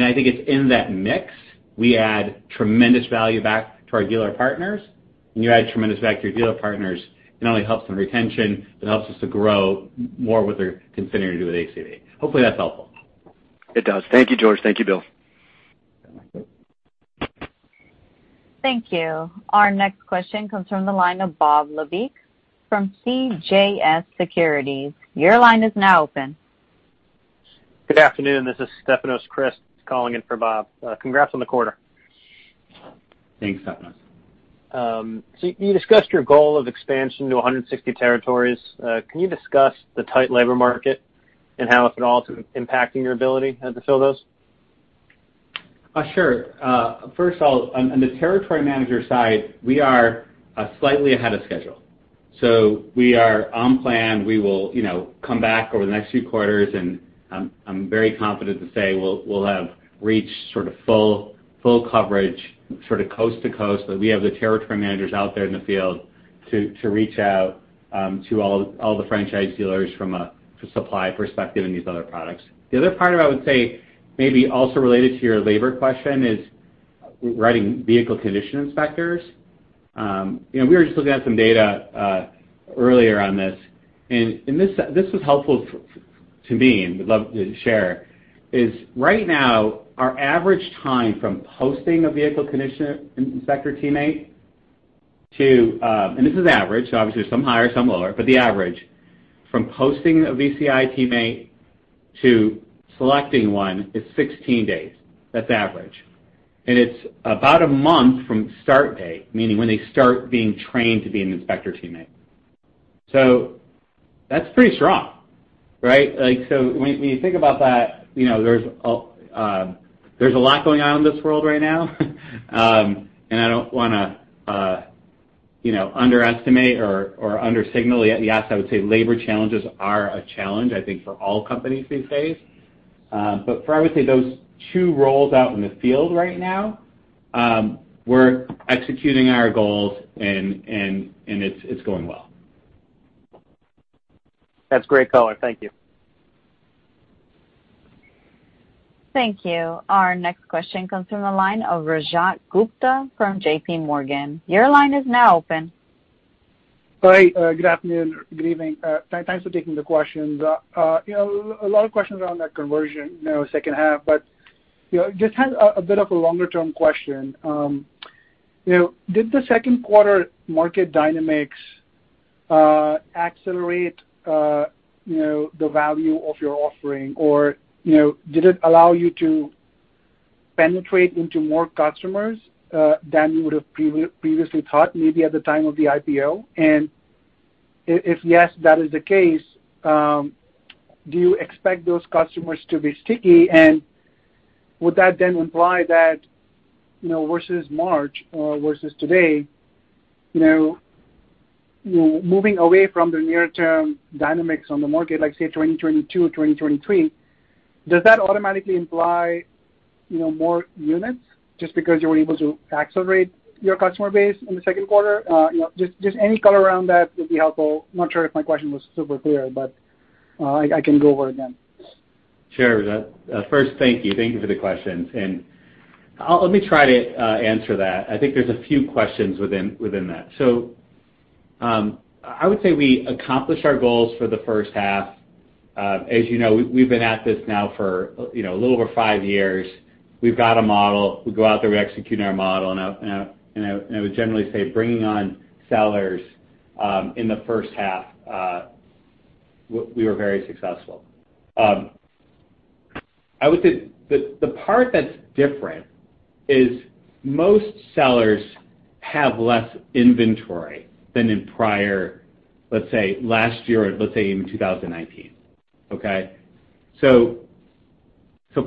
I think it's in that mix, we add tremendous value back to our dealer partners. When you add tremendous value to your dealer partners, it not only helps in retention, it helps us to grow more with what they're considering to do with ACV. Hopefully that's helpful. It does. Thank you, George. Thank you, Bill. Thank you. Our next question comes from the line of Bob Labick from CJS Securities. Your line is now open. Good afternoon. This is Stefanos Crist calling in for Bob. Congrats on the quarter. Thanks, Stefanos. You discussed your goal of expansion to 160 territories. Can you discuss the tight labor market and how, if at all, it's impacting your ability to fill those? Sure. First of all, on the territory manager side, we are slightly ahead of schedule. We are on plan. We will come back over the next few quarters, and I'm very confident to say we'll have reached sort of full coverage sort of coast to coast, that we have the territory managers out there in the field to reach out to all the franchise dealers from a supply perspective and these other products. The other part I would say, maybe also related to your labor question is, hiring vehicle condition inspectors. We were just looking at some data earlier on this, and this was helpful to me, and we'd love to share, is right now, our average time from posting a vehicle condition inspector teammate. This is average, so obviously some higher, some lower. The average from posting a VCI teammate to selecting one is 16 days. That's average. It's about a month from start date, meaning when they start being trained to be an inspector teammate. That's pretty strong, right? When you think about that, there's a lot going on in this world right now. I don't want to underestimate or undersignal. Yes, I would say labor challenges are a challenge, I think, for all companies these days. For, I would say, those two roles out in the field right now, we're executing our goals, and it's going well. That's great color. Thank you. Thank you. Our next question comes from the line of Rajat Gupta from JPMorgan. Hi. Good afternoon. Good evening. Thanks for taking the questions. A lot of questions around that conversion, second half. Just had a bit of a longer-term question. Did the second quarter market dynamics accelerate the value of your offering, or did it allow you to penetrate into more customers than you would've previously thought, maybe at the time of the IPO? If yes, that is the case, do you expect those customers to be sticky? Would that then imply that versus March or versus today, moving away from the near-term dynamics on the market, like, say, 2022, 2023, does that automatically imply more units just because you were able to accelerate your customer base in the second quarter? Any color around that would be helpful. Not sure if my question was super clear, but I can go over it again. Sure, Rajat. First, thank you. Thank you for the questions. Let me try to answer that. I think there's a few questions within that. I would say we accomplished our goals for the first half. As you know, we've been at this now for a little over five years. We've got a model. We go out there, we execute our model, and I would generally say bringing on sellers in the first half, we were very successful. I would say the part that's different is most sellers have less inventory than in prior, let's say, last year or let's say even 2019. Okay.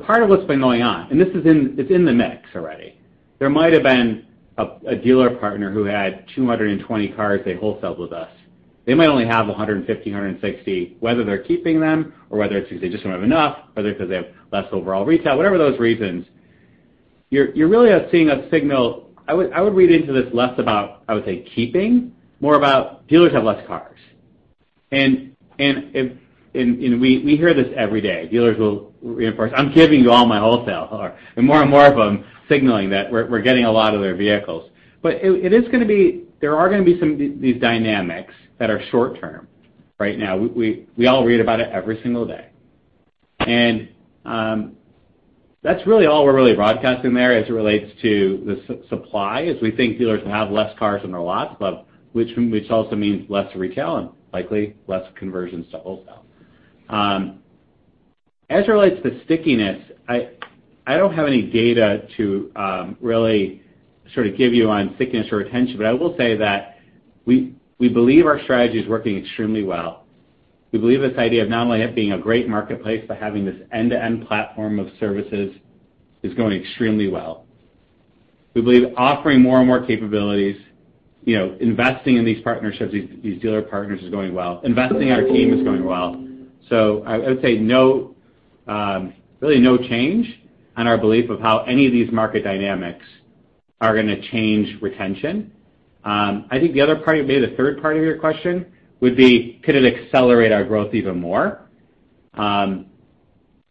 Part of what's been going on, and this is in the mix already. There might have been a dealer partner who had 220 cars they wholesaled with us. They might only have 150, 160, whether they're keeping them or whether it's because they just don't have enough, whether because they have less overall retail, whatever those reasons. You're really seeing a signal. I would read into this less about, I would say, keeping, more about dealers have less cars. We hear this every day. Dealers will reinforce, "I'm giving you all my wholesale car." More and more of them signaling that we're getting a lot of their vehicles. There are going to be some these dynamics that are short term right now. We all read about it every single day. That's really all we're really broadcasting there as it relates to the supply, as we think dealers will have less cars in their lots, but which also means less retail and likely less conversions to wholesale. As it relates to stickiness, I don't have any data to really sort of give you on stickiness or retention. I will say that we believe our strategy is working extremely well. We believe this idea of not only it being a great marketplace, but having this end-to-end platform of services is going extremely well. We believe offering more and more capabilities, investing in these partnerships, these dealer partners is going well. Investing in our team is going well. I would say really no change on our belief of how any of these market dynamics are going to change retention. I think the other part, maybe the third part of your question would be, could it accelerate our growth even more? I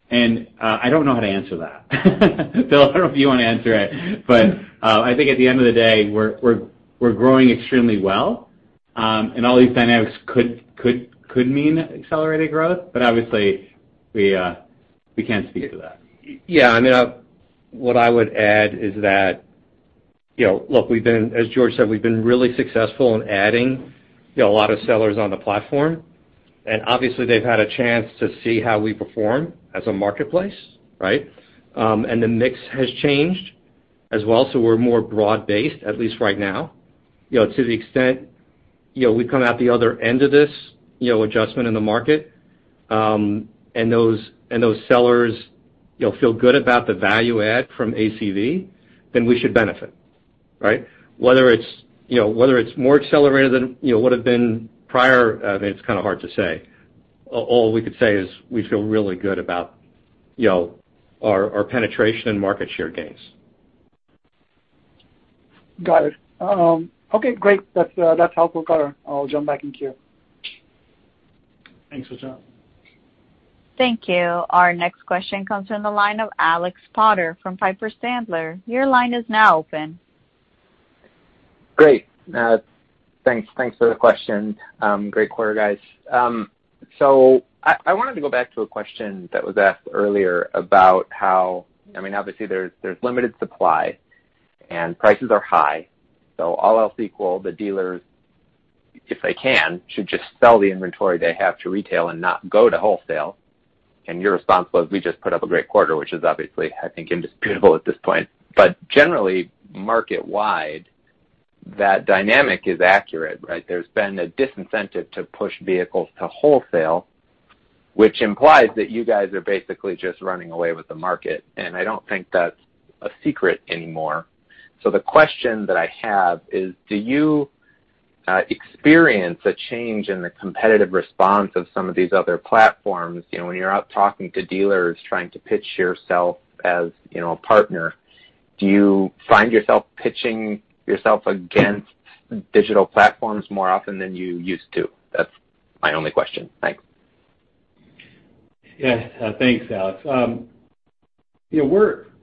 don't know how to answer that. Bill, I don't know if you want to answer it, but I think at the end of the day, we're growing extremely well. All these dynamics could mean accelerated growth, but obviously we can't speak to that. Yeah. What I would add is that, look, as George said, we've been really successful in adding a lot of sellers on the platform. Obviously, they've had a chance to see how we perform as a marketplace, right? The mix has changed as well, so we're more broad-based, at least right now. To the extent we come out the other end of this adjustment in the market, and those sellers feel good about the value add from ACV, then we should benefit, right? Whether it's more accelerated than would've been prior, I mean, it's kind of hard to say. All we could say is we feel really good about our penetration and market share gains. Got it. Okay, great. That's helpful. Got it. I'll jump back in queue. Thanks, Rajat. Thank you. Our next question comes from the line of Alex Potter from Piper Sandler. Great. Thanks for the question. Great quarter, guys. I wanted to go back to a question that was asked earlier about how obviously, there's limited supply and prices are high, so all else equal, the dealers, if they can, should just sell the inventory they have to retail and not go to wholesale. Your response was, we just put up a great quarter, which is obviously, I think, indisputable at this point. Generally, market-wide, that dynamic is accurate, right? There's been a disincentive to push vehicles to wholesale, which implies that you guys are basically just running away with the market. I don't think that's a secret anymore. The question that I have is, do you experience a change in the competitive response of some of these other platforms? When you're out talking to dealers, trying to pitch yourself as a partner, do you find yourself pitching yourself against digital platforms more often than you used to? That's my only question. Thanks. Yeah. Thanks, Alex.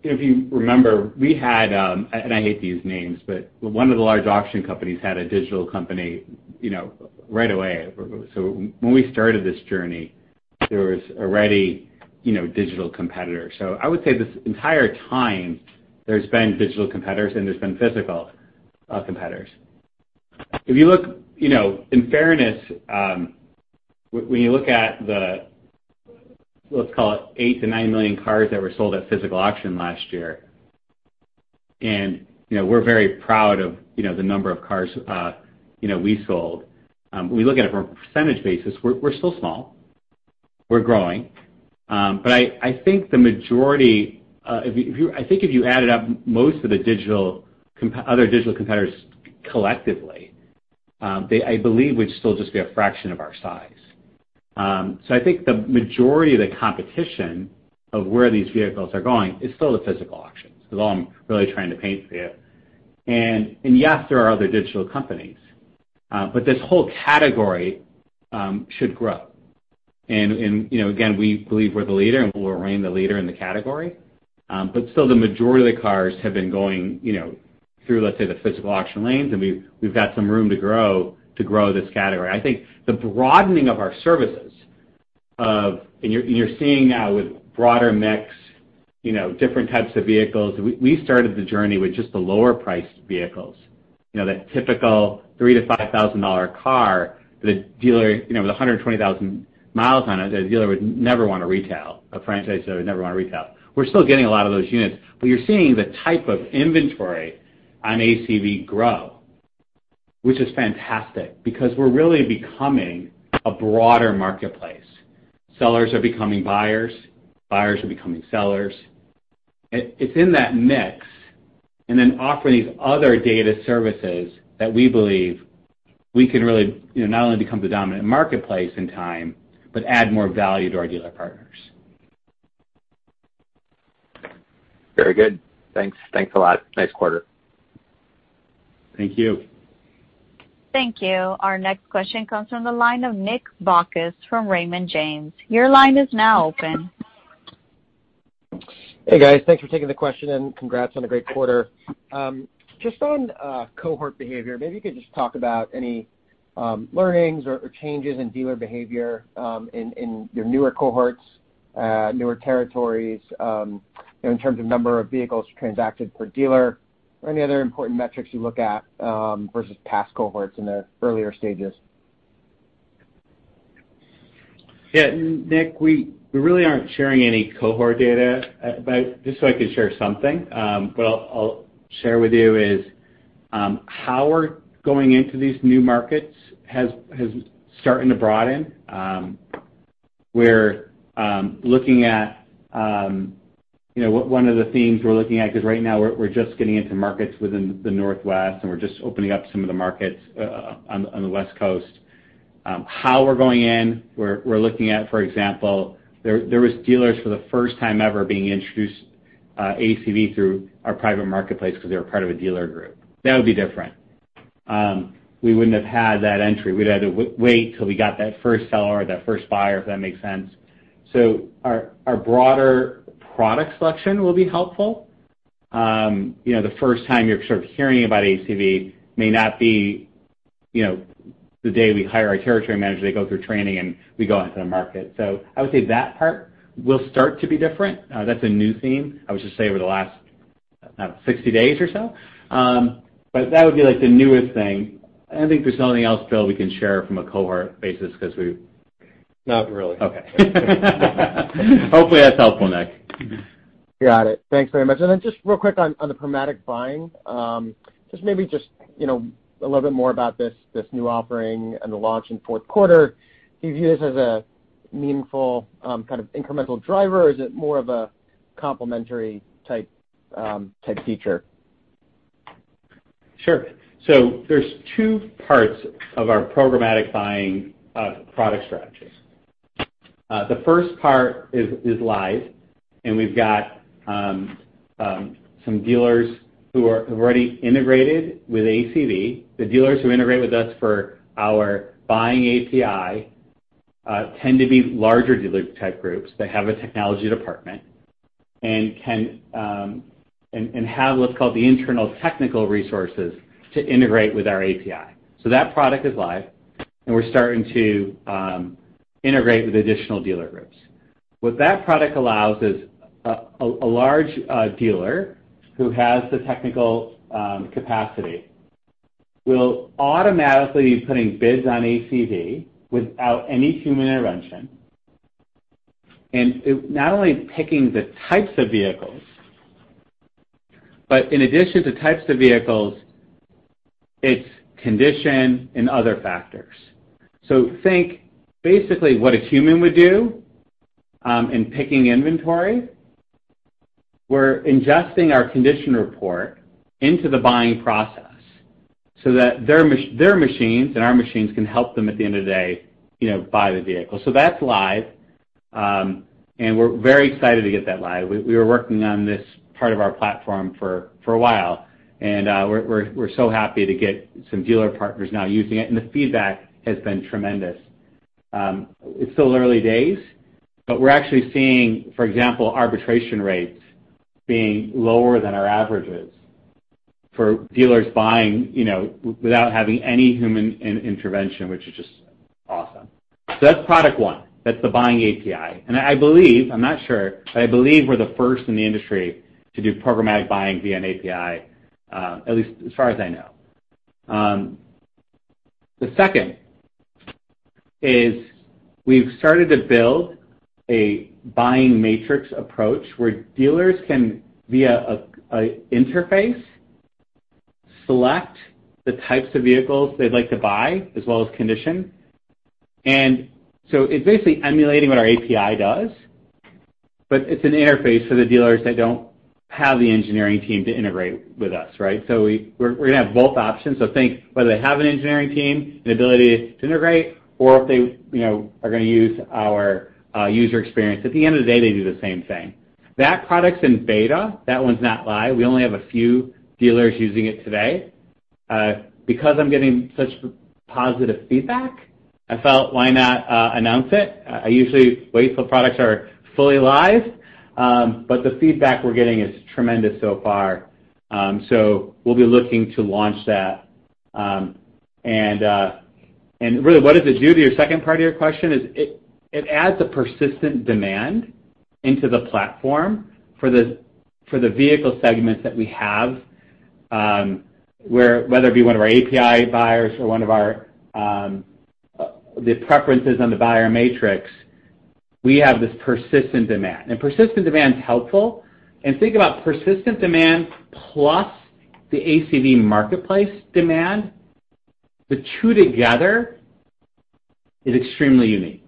If you remember, we had and I hate to use names, but one of the large auction companies had a digital company right away. When we started this journey, there was already a digital competitor. I would say this entire time, there's been digital competitors and there's been physical competitors. In fairness, when you look at the, let's call it 8 million-9 million cars that were sold at physical auction last year, and we're very proud of the number of cars we sold. When we look at it from a percentage basis, we're still small. We're growing. I think if you added up most of the other digital competitors collectively, I believe would still just be a fraction of our size. I think the majority of the competition of where these vehicles are going is still the physical auctions, is all I'm really trying to paint for you. Yes, there are other digital companies. This whole category should grow. Again, we believe we're the leader and we'll remain the leader in the category. Still the majority of the cars have been going through, let's say, the physical auction lanes, and we've got some room to grow this category. I think the broadening of our services And you're seeing now with broader mix, different types of vehicles. We started the journey with just the lower priced vehicles. That typical $3,000 to $5,000 car with 120,000 miles on it, a dealer would never want to retail, a franchise owner would never want to retail. We're still getting a lot of those units, but you're seeing the type of inventory on ACV grow, which is fantastic because we're really becoming a broader marketplace. Sellers are becoming buyers are becoming sellers. It's in that mix, and then offering these other data services that we believe we can really not only become the dominant marketplace in time, but add more value to our dealer partners. Very good. Thanks a lot. Nice quarter. Thank you. Thank you. Our next question comes from the line of Nick Bacchus from Raymond James. Your line is now open. Hey, guys. Thanks for taking the question, and congrats on a great quarter. Just on cohort behavior, maybe you could just talk about any learnings or changes in dealer behavior in your newer cohorts, newer territories, in terms of number of vehicles transacted per dealer or any other important metrics you look at versus past cohorts in their earlier stages? Yeah. Nick, we really aren't sharing any cohort data. Just so I can share something, what I'll share with you is how we're going into these new markets has started to broaden. One of the themes we're looking at, because right now we're just getting into markets within the Northwest, and we're just opening up some of the markets on the West Coast. How we're going in, we're looking at, for example, there was dealers for the first time ever being introduced, ACV, through our Private Marketplace because they were part of a dealer group. That would be different. We wouldn't have had that entry. We'd had to wait till we got that first seller or that first buyer, if that makes sense. Our broader product selection will be helpful. The first time you're sort of hearing about ACV may not be the day we hire our territory manager, they go through training, and we go out to the market. I would say that part will start to be different. That's a new theme, I would just say, over the last 60 days or so. That would be the newest thing. I don't think there's something else, Bill, we can share from a cohort basis because we Not really. Okay. Hopefully that's helpful, Nick. Got it. Thanks very much. Just real quick on the programmatic buying, just maybe just a little bit more about this new offering and the launch in the fourth quarter. Do you view this as a meaningful kind of incremental driver, or is it more of a complementary type feature? Sure. There's two parts of our programmatic buying product strategies. The first part is live, and we've got some dealers who have already integrated with ACV. The dealers who integrate with us for our buying API tend to be larger dealer type groups that have a technology department and have what's called the internal technical resources to integrate with our API. That product is live, and we're starting to integrate with additional dealer groups. What that product allows is a large dealer who has the technical capacity will automatically be putting bids on ACV without any human intervention. Not only picking the types of vehicles, but in addition to types of vehicles, its condition and other factors. Think basically what a human would do in picking inventory. We're ingesting our condition report into the buying process so that their machines and our machines can help them at the end of the day buy the vehicle. That's live. We're very excited to get that live. We were working on this part of our platform for a while, and we're so happy to get some dealer partners now using it, and the feedback has been tremendous. It's still early days, but we're actually seeing, for example, arbitration rates being lower than our averages for dealers buying without having any human intervention, which is just awesome. That's product one, that's the buying API. I believe, I'm not sure, but I believe we're the first in the industry to do programmatic buying via an API, at least as far as I know. The second is we've started to build a Buying Matrix approach where dealers can, via an interface, select the types of vehicles they'd like to buy, as well as condition. It's basically emulating what our API does, but it's an interface for the dealers that don't have the engineering team to integrate with us. Right? We're going to have both options. Think whether they have an engineering team, the ability to integrate, or if they are going to use our user experience. At the end of the day, they do the same thing. That product's in beta. That one's not live. We only have a few dealers using it today. Because I'm getting such positive feedback, I felt why not announce it? I usually wait till products are fully live. The feedback we're getting is tremendous so far. We'll be looking to launch that. Really, what does it do? The second part of your question is it adds a persistent demand into the platform for the vehicle segments that we have, whether it be one of our API buyers or the preferences on the Buying Matrix. We have this persistent demand. Persistent demand is helpful. Think about persistent demand plus the ACV marketplace demand. The two together is extremely unique.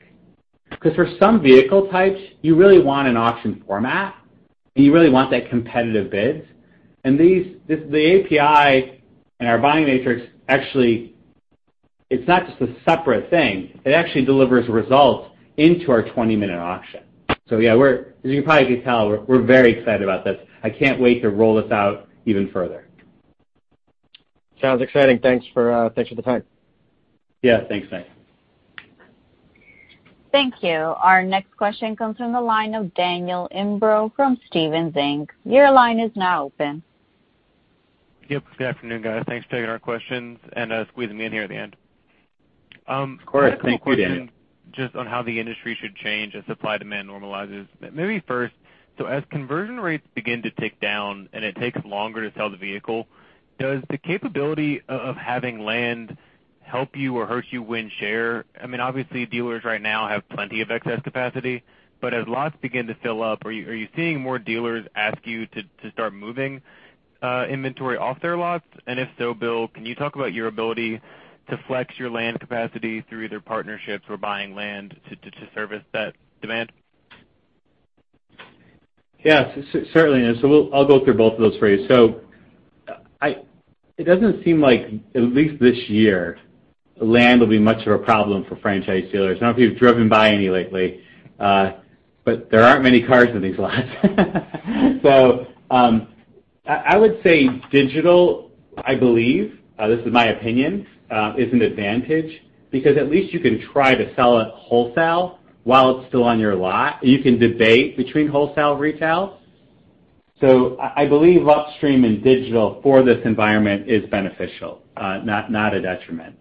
For some vehicle types, you really want an auction format, and you really want that competitive bids. The API and our Buying Matrix, actually, it's not just a separate thing, it actually delivers results into our 20-minute auction. Yeah, as you probably can tell, we're very excited about this. I can't wait to roll this out even further. Sounds exciting. Thanks for the time. Yeah. Thanks, Nick. Thank you. Our next question comes from the line of Daniel Imbro from Stephens Inc. Your line is now open. Yep. Good afternoon, guys. Thanks for taking our questions and squeezing me in here at the end. Of course. Thanks for being here. I have a couple questions just on how the industry should change as supply-demand normalizes. Maybe first, as conversion rates begin to tick down and it takes longer to sell the vehicle, does the capability of having land help you or hurt you win share? Obviously dealers right now have plenty of excess capacity, as lots begin to fill up, are you seeing more dealers ask you to start moving inventory off their lots? If so, Bill, can you talk about your ability to flex your land capacity through either partnerships or buying land to service that demand? Yeah. Certainly. I'll go through both of those for you. It doesn't seem like, at least this year, land will be much of a problem for franchise dealers. I don't know if you've driven by any lately. There aren't many cars in these lots. I would say digital, I believe, this is my opinion, is an advantage because at least you can try to sell it wholesale while it's still on your lot. You can debate between wholesale, retail. I believe upstream and digital for this environment is beneficial, not a detriment.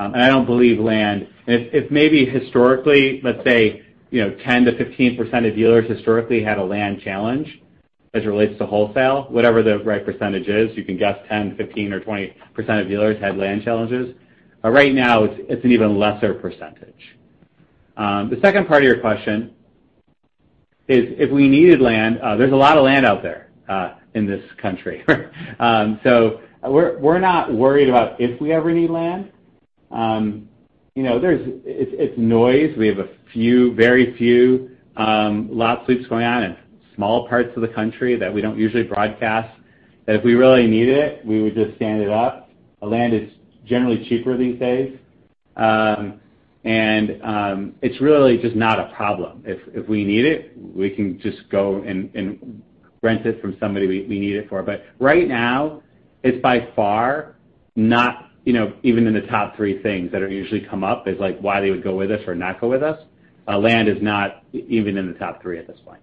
I don't believe land It may be historically, let's say, 10%-15% of dealers historically had a land challenge as it relates to wholesale, whatever the right percentage is. You can guess 10%, 15% or 20% of dealers had land challenges. Right now, it's an even lesser percentage. The second part of your question is if we needed land, there's a lot of land out there in this country. We're not worried about if we ever need land. It's noise. We have a very few lot sweeps going on in small parts of the country that we don't usually broadcast, that if we really needed it, we would just stand it up. Land is generally cheaper these days. It's really just not a problem. If we need it, we can just go and rent it from somebody we need it for. Right now, it's by far not even in the top three things that usually come up as why they would go with us or not go with us. Land is not even in the top three at this point.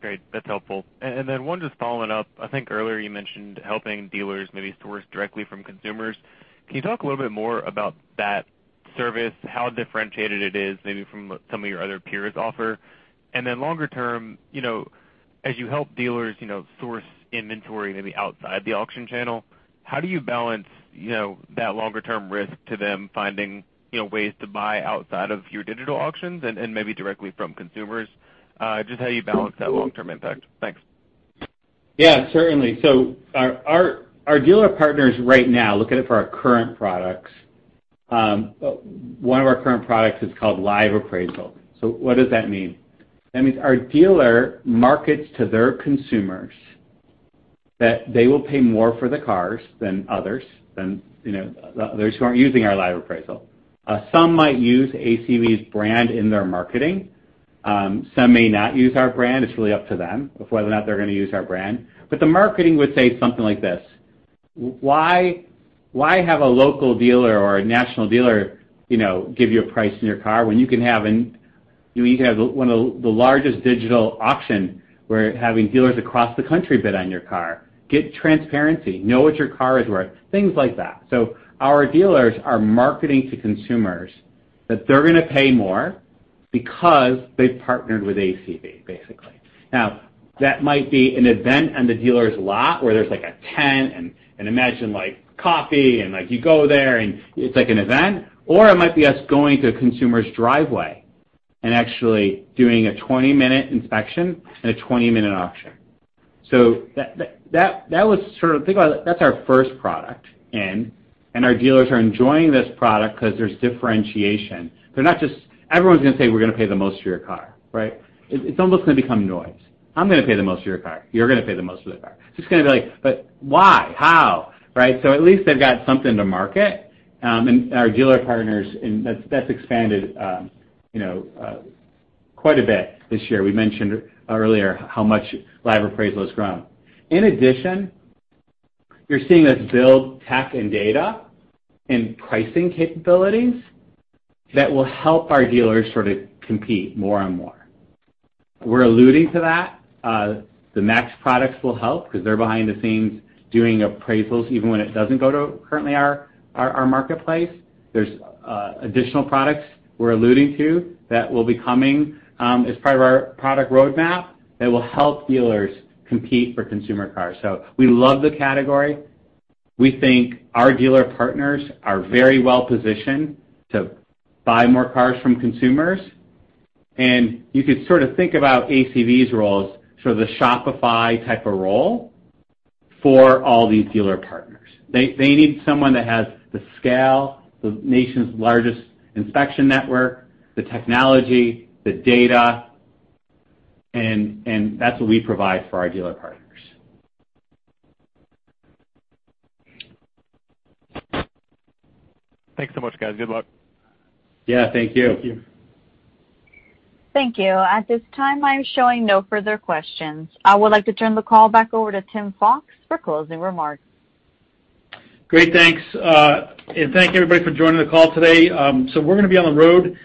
Great. That's helpful. One just following up. I think earlier you mentioned helping dealers maybe source directly from consumers. Can you talk a little bit more about that service, how differentiated it is maybe from what some of your other peers offer? Longer term, as you help dealers source inventory maybe outside the auction channel, how do you balance that longer-term risk to them finding ways to buy outside of your digital auctions and maybe directly from consumers? Just how you balance that long-term impact. Thanks. Certainly. Our dealer partners right now, looking for our current products. One of our current products is called Live Appraisal. What does that mean? That means our dealer markets to their consumers that they will pay more for the cars than others who aren't using our Live Appraisal. Some might use ACV's brand in their marketing. Some may not use our brand. It's really up to them of whether or not they're going to use our brand. The marketing would say something like this, "Why have a local dealer or a national dealer give you a price on your car when you can have the largest digital auction where having dealers across the country bid on your car? Get transparency. Know what your car is worth." Things like that. Our dealers are marketing to consumers that they're going to pay more because they've partnered with ACV, basically. That might be an event on the dealer's lot where there's a tent and imagine coffee, and you go there, and it's like an event. It might be us going to a consumer's driveway and actually doing a 20-minute inspection and a 20-minute auction. Think about it, that's our first product in, and our dealers are enjoying this product because there's differentiation. Everyone's going to say, "We're going to pay the most for your car." Right? It's almost going to become noise. I'm going to pay the most for your car. You're going to pay the most for the car. It's going to be like, but why? How? Right? At least they've got something to market. Our dealer partners, that's expanded quite a bit this year. We mentioned earlier how much Live Appraisal has grown. In addition, you're seeing us build tech and data and pricing capabilities that will help our dealers sort of compete more and more. We're alluding to that. The MAX products will help because they're behind the scenes doing appraisals, even when it doesn't go to currently our marketplace. There's additional products we're alluding to that will be coming as part of our product roadmap that will help dealers compete for consumer cars. We love the category. We think our dealer partners are very well-positioned to buy more cars from consumers. You could sort of think about ACV's roles, sort of the Shopify type of role for all these dealer partners. They need someone that has the scale, the nation's largest inspection network, the technology, the data, and that's what we provide for our dealer partners. Thanks so much, guys. Good luck. Yeah. Thank you. Thank you. At this time, I am showing no further questions. I would like to turn the call back over to Tim Fox for closing remarks. Great. Thanks. Thank you everybody for joining the call today. We're going to be on the road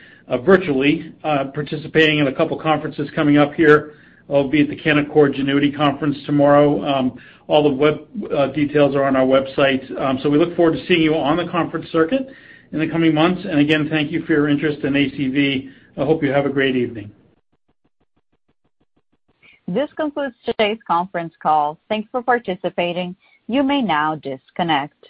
virtually participating in two conferences coming up here. I'll be at the Canaccord Genuity conference tomorrow. All the web details are on our website. We look forward to seeing you on the conference circuit in the coming months. Again, thank you for your interest in ACV. I hope you have a great evening. This concludes today's conference call. Thanks for participating. You may now disconnect.